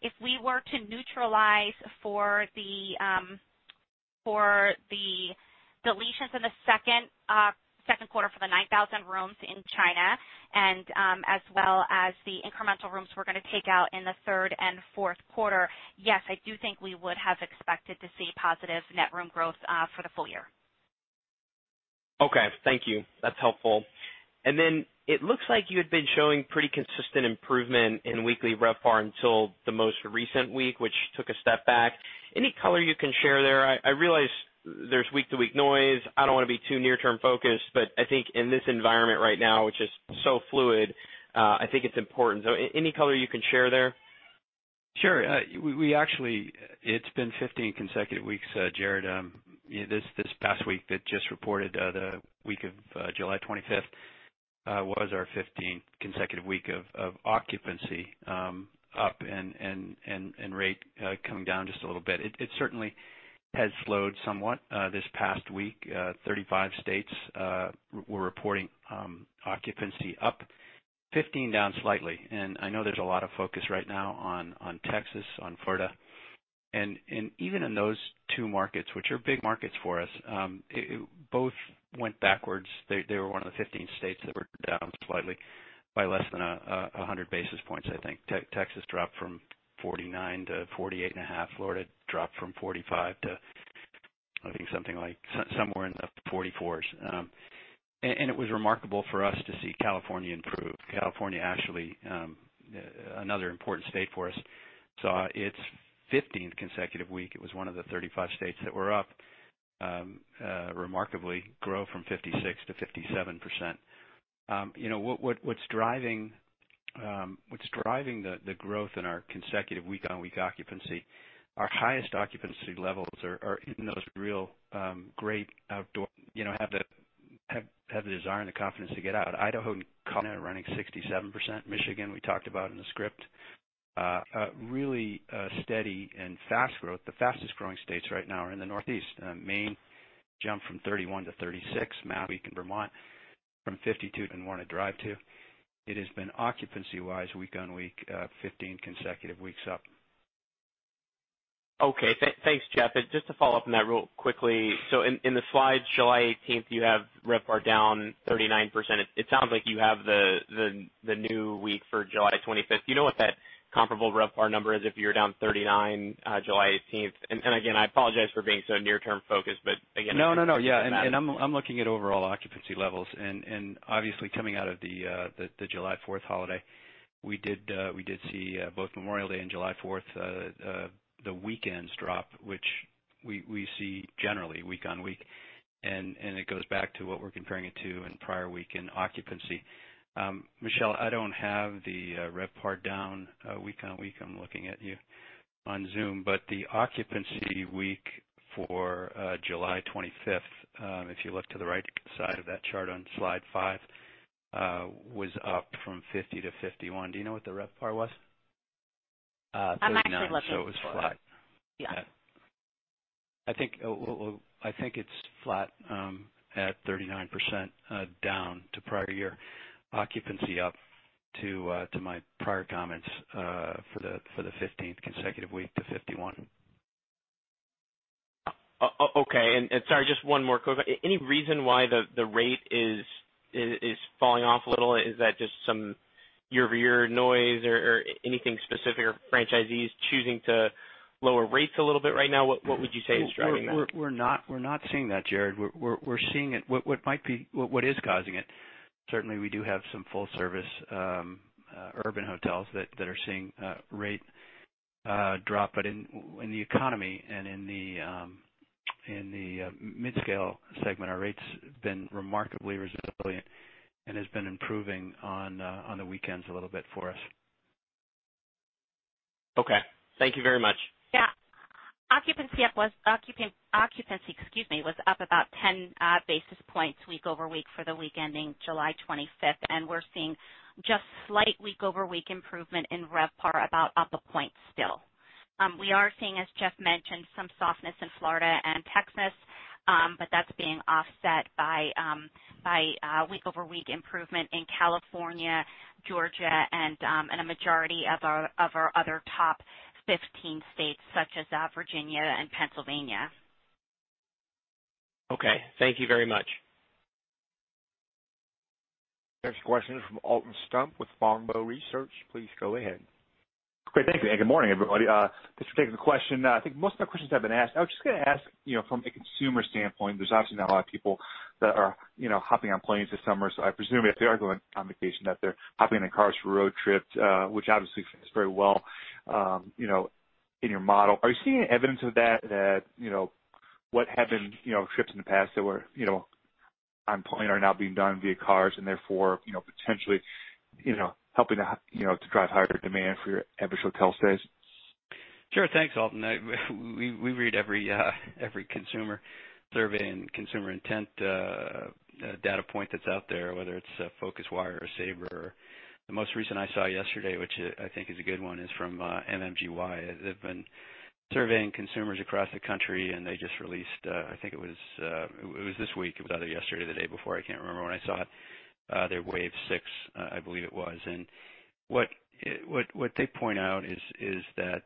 if we were to neutralize for the deletions in the second quarter for the 9,000 rooms in China and as well as the incremental rooms we're going to take out in the third and fourth quarter, yes, I do think we would have expected to see positive net room growth for the full year. Okay. Thank you. That's helpful. And then it looks like you had been showing pretty consistent improvement in weekly RevPAR until the most recent week, which took a step back. Any color you can share there? I realize there's week-to-week noise. I don't want to be too near-term focused, but I think in this environment right now, which is so fluid, I think it's important. So any color you can share there? Sure. It's been 15 consecutive weeks, Jared. This past week that just reported, the week of July 25th, was our 15th consecutive week of occupancy up and rate coming down just a little bit. It certainly has slowed somewhat this past week. 35 states were reporting occupancy up, 15 down slightly. And I know there's a lot of focus right now on Texas, on Florida. And even in those two markets, which are big markets for us, both went backwards. They were one of the 15 states that were down slightly by less than 100 basis points, I think. Texas dropped from 49-48.5. Florida dropped from 45 to, I think, something like somewhere in the 44s. It was remarkable for us to see California improve. California, actually, another important state for us, saw its 15th consecutive week. It was one of the 35 states that were up, remarkably grow from 56%-57%. What's driving the growth in our consecutive week-on-week occupancy? Our highest occupancy levels are in those really great outdoor have the desire and the confidence to get out. Idaho and running 67%. Michigan, we talked about in the script, really steady and fast growth. The fastest growing states right now are in the Northeast. Maine jumped from 31%-36%. [Mass] week in Vermont from 52 [want a] drive to. It has been, occupancy-wise, week-on-week, 15 consecutive weeks up. Okay. Thanks, Geoff. Just to follow up on that real quickly, so in the slides, July 18th, you have RevPAR down 39%. It sounds like you have the new week for July 25th. Do you know what that comparable RevPAR number is if you were down 39% July 18th? And again, I apologize for being so near-term focused, but again no, no, no. Yeah. And I'm looking at overall occupancy levels. And obviously, coming out of the July 4th holiday, we did see both Memorial Day and July 4th, the weekends drop, which we see generally week-on-week. And it goes back to what we're comparing it to in prior week in occupancy. Michele, I don't have the RevPAR down week-on-week. I'm looking at you on Zoom. But the occupancy week for July 25th, if you look to the right side of that chart on Slide five, was up from 50 to 51. Do you know what the RevPAR was? I'm actually looking. So it was flat. Yeah. I think it's flat at 39% down to prior year. Occupancy up, too. My prior comments for the 15th consecutive week to 51%. Okay, and sorry, just one more quick one. Any reason why the rate is falling off a little? Is that just some year-over-year noise or anything specific or franchisees choosing to lower rates a little bit right now? What would you say is driving that? We're not seeing that, Jared. We're seeing it. What is causing it? Certainly, we do have some full-service urban hotels that are seeing rate drop. But in the economy and in the mid-scale segment, our rates have been remarkably resilient and have been improving on the weekends a little bit for us. Okay. Thank you very much. Yeah. Occupancy up was occupancy, excuse me, was up about 10 basis points week-over-week for the week ending July 25th. And we're seeing just slight week-over-week improvement in RevPAR, about a point still. We are seeing, as Geoff mentioned, some softness in Florida and Texas, but that's being offset by week-over-week improvement in California, Georgia, and a majority of our other top 15 states such as Virginia and Pennsylvania. Okay. Thank you very much. Next question is from Alton Stump with Longbow Research. Please go ahead. Great. Thank you. And good morning, everybody. Just to take the question, I think most of the questions have been asked. I was just going to ask from a consumer standpoint, there's obviously not a lot of people that are hopping on planes this summer. So I presume if they are going on vacation, that they're hopping in the cars for road trips, which obviously fits very well in your model. Are you seeing any evidence of that, that what have been trips in the past that were on plane are now being done via cars and therefore potentially helping to drive higher demand for your average hotel stays? Sure. Thanks, Alton. We read every consumer survey and consumer intent data point that's out there, whether it's PhocusWire or Sabre. The most recent I saw yesterday, which I think is a good one, is from MMGY. They've been surveying consumers across the country, and they just released, I think it was this week. It was either yesterday or the day before. I can't remember when I saw it. They're wave six, I believe it was. And what they point out is that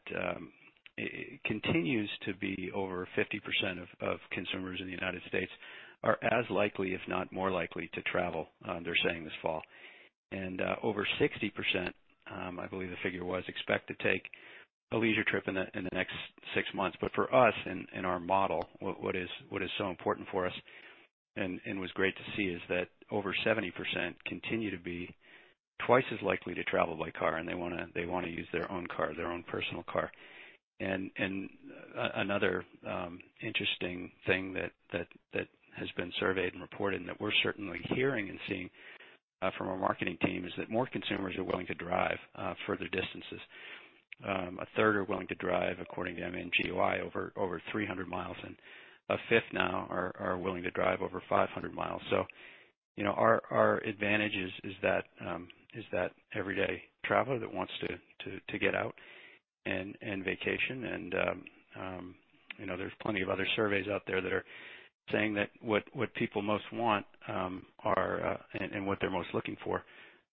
it continues to be over 50% of consumers in the United States are as likely, if not more likely, to travel, they're saying, this fall. And over 60%, I believe the figure was, expect to take a leisure trip in the next six months. But for us, in our model, what is so important for us and was great to see is that over 70% continue to be twice as likely to travel by car, and they want to use their own car, their own personal car. And another interesting thing that has been surveyed and reported and that we're certainly hearing and seeing from our marketing team is that more consumers are willing to drive further distances. A 1/3 are willing to drive, according to MMGY, over 300 miles, and a 1/5 now are willing to drive over 500 miles. So our advantage is that everyday traveler that wants to get out and vacation. And there's plenty of other surveys out there that are saying that what people most want and what they're most looking for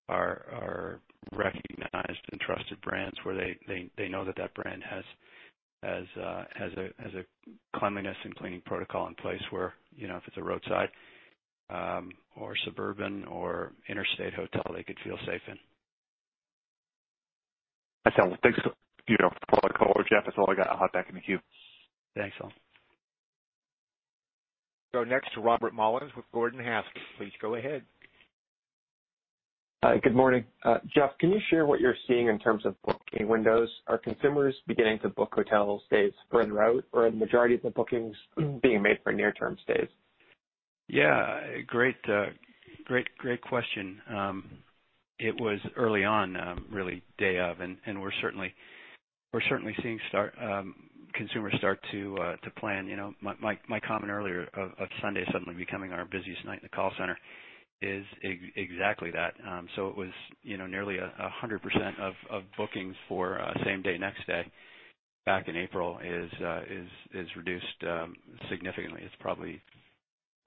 are recognized and trusted brands where they know that that brand has a cleanliness and cleaning protocol in place where if it's a roadside or suburban or interstate hotel, they could feel safe in. Excellent. Thanks for the call, Geoff. That's all I got. I'll hop back in the queue. Thanks, Alton. So next, Robert Mollins with Gordon Haskett. Please go ahead. Hi. Good morning. Geoff, can you share what you're seeing in terms of booking windows? Are consumers beginning to book hotel stays for en route, or are the majority of the bookings being made for near-term stays? Yeah. Great question. It was early on, really, day of, and we're certainly seeing consumers start to plan. My comment earlier of Sunday suddenly becoming our busiest night in the call center is exactly that. So it was nearly 100% of bookings for same day, next day back in April is reduced significantly. It's probably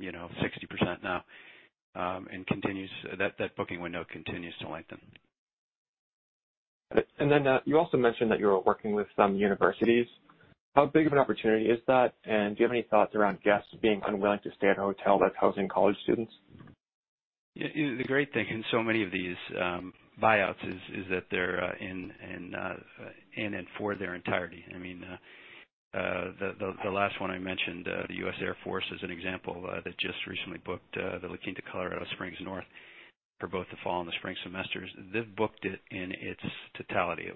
60% now. And that booking window continues to lengthen. And then you also mentioned that you're working with some universities. How big of an opportunity is that? And do you have any thoughts around guests being unwilling to stay at a hotel that's housing college students? The great thing in so many of these buyouts is that they're in and for their entirety. I mean, the last one I mentioned, the U.S. Air Force as an example, that just recently booked the La Quinta Colorado Springs North for both the fall and the spring semesters. They've booked it in its totality. It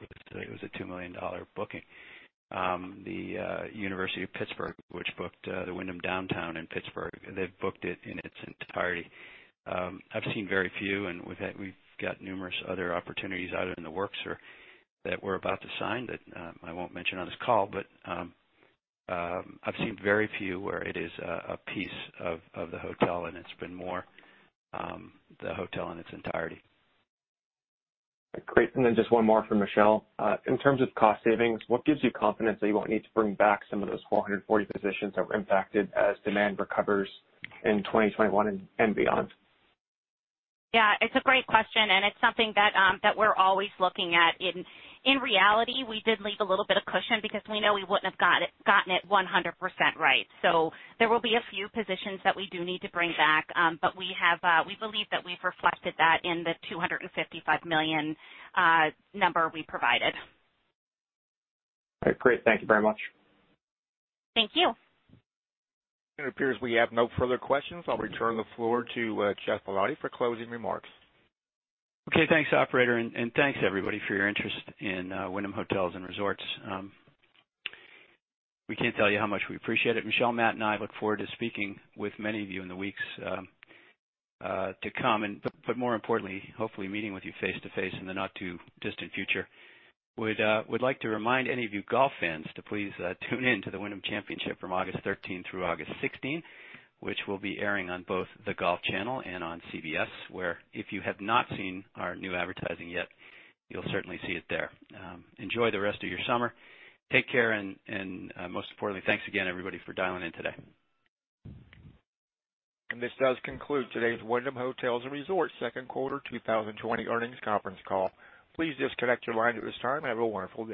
was a $2 million booking. The University of Pittsburgh, which booked the Wyndham Downtown in Pittsburgh, they've booked it in its entirety. I've seen very few, and we've got numerous other opportunities out in the works that we're about to sign that I won't mention on this call, but I've seen very few where it is a piece of the hotel, and it's been more the hotel in its entirety. Great. And then just one more from Michele. In terms of cost savings, what gives you confidence that you won't need to bring back some of those 440 positions that were impacted as demand recovers in 2021 and beyond? Yeah. It's a great question, and it's something that we're always looking at. In reality, we did leave a little bit of cushion because we know we wouldn't have gotten it 100% right. So there will be a few positions that we do need to bring back, but we believe that we've reflected that in the $255 million number we provided. All right. Great. Thank you very much. Thank you. It appears we have no further questions. I'll return the floor to Geoff Ballotti for closing remarks. Okay. Thanks, operator. And thanks, everybody, for your interest in Wyndham Hotels & Resorts. We can't tell you how much we appreciate it. Michele, Matt, and I look forward to speaking with many of you in the weeks to come. But more importantly, hopefully meeting with you face-to-face in the not-too-distant future. We'd like to remind any of you golf fans to please tune in to the Wyndham Championship from August 13th through August 16th, which will be airing on both the Golf Channel and on CBS, where if you have not seen our new advertising yet, you'll certainly see it there. Enjoy the rest of your summer. Take care, and most importantly, thanks again, everybody, for dialing in today. And this does conclude today's Wyndham Hotels & Resorts second quarter 2020 earnings conference call. Please disconnect your line at this time. Have a wonderful day.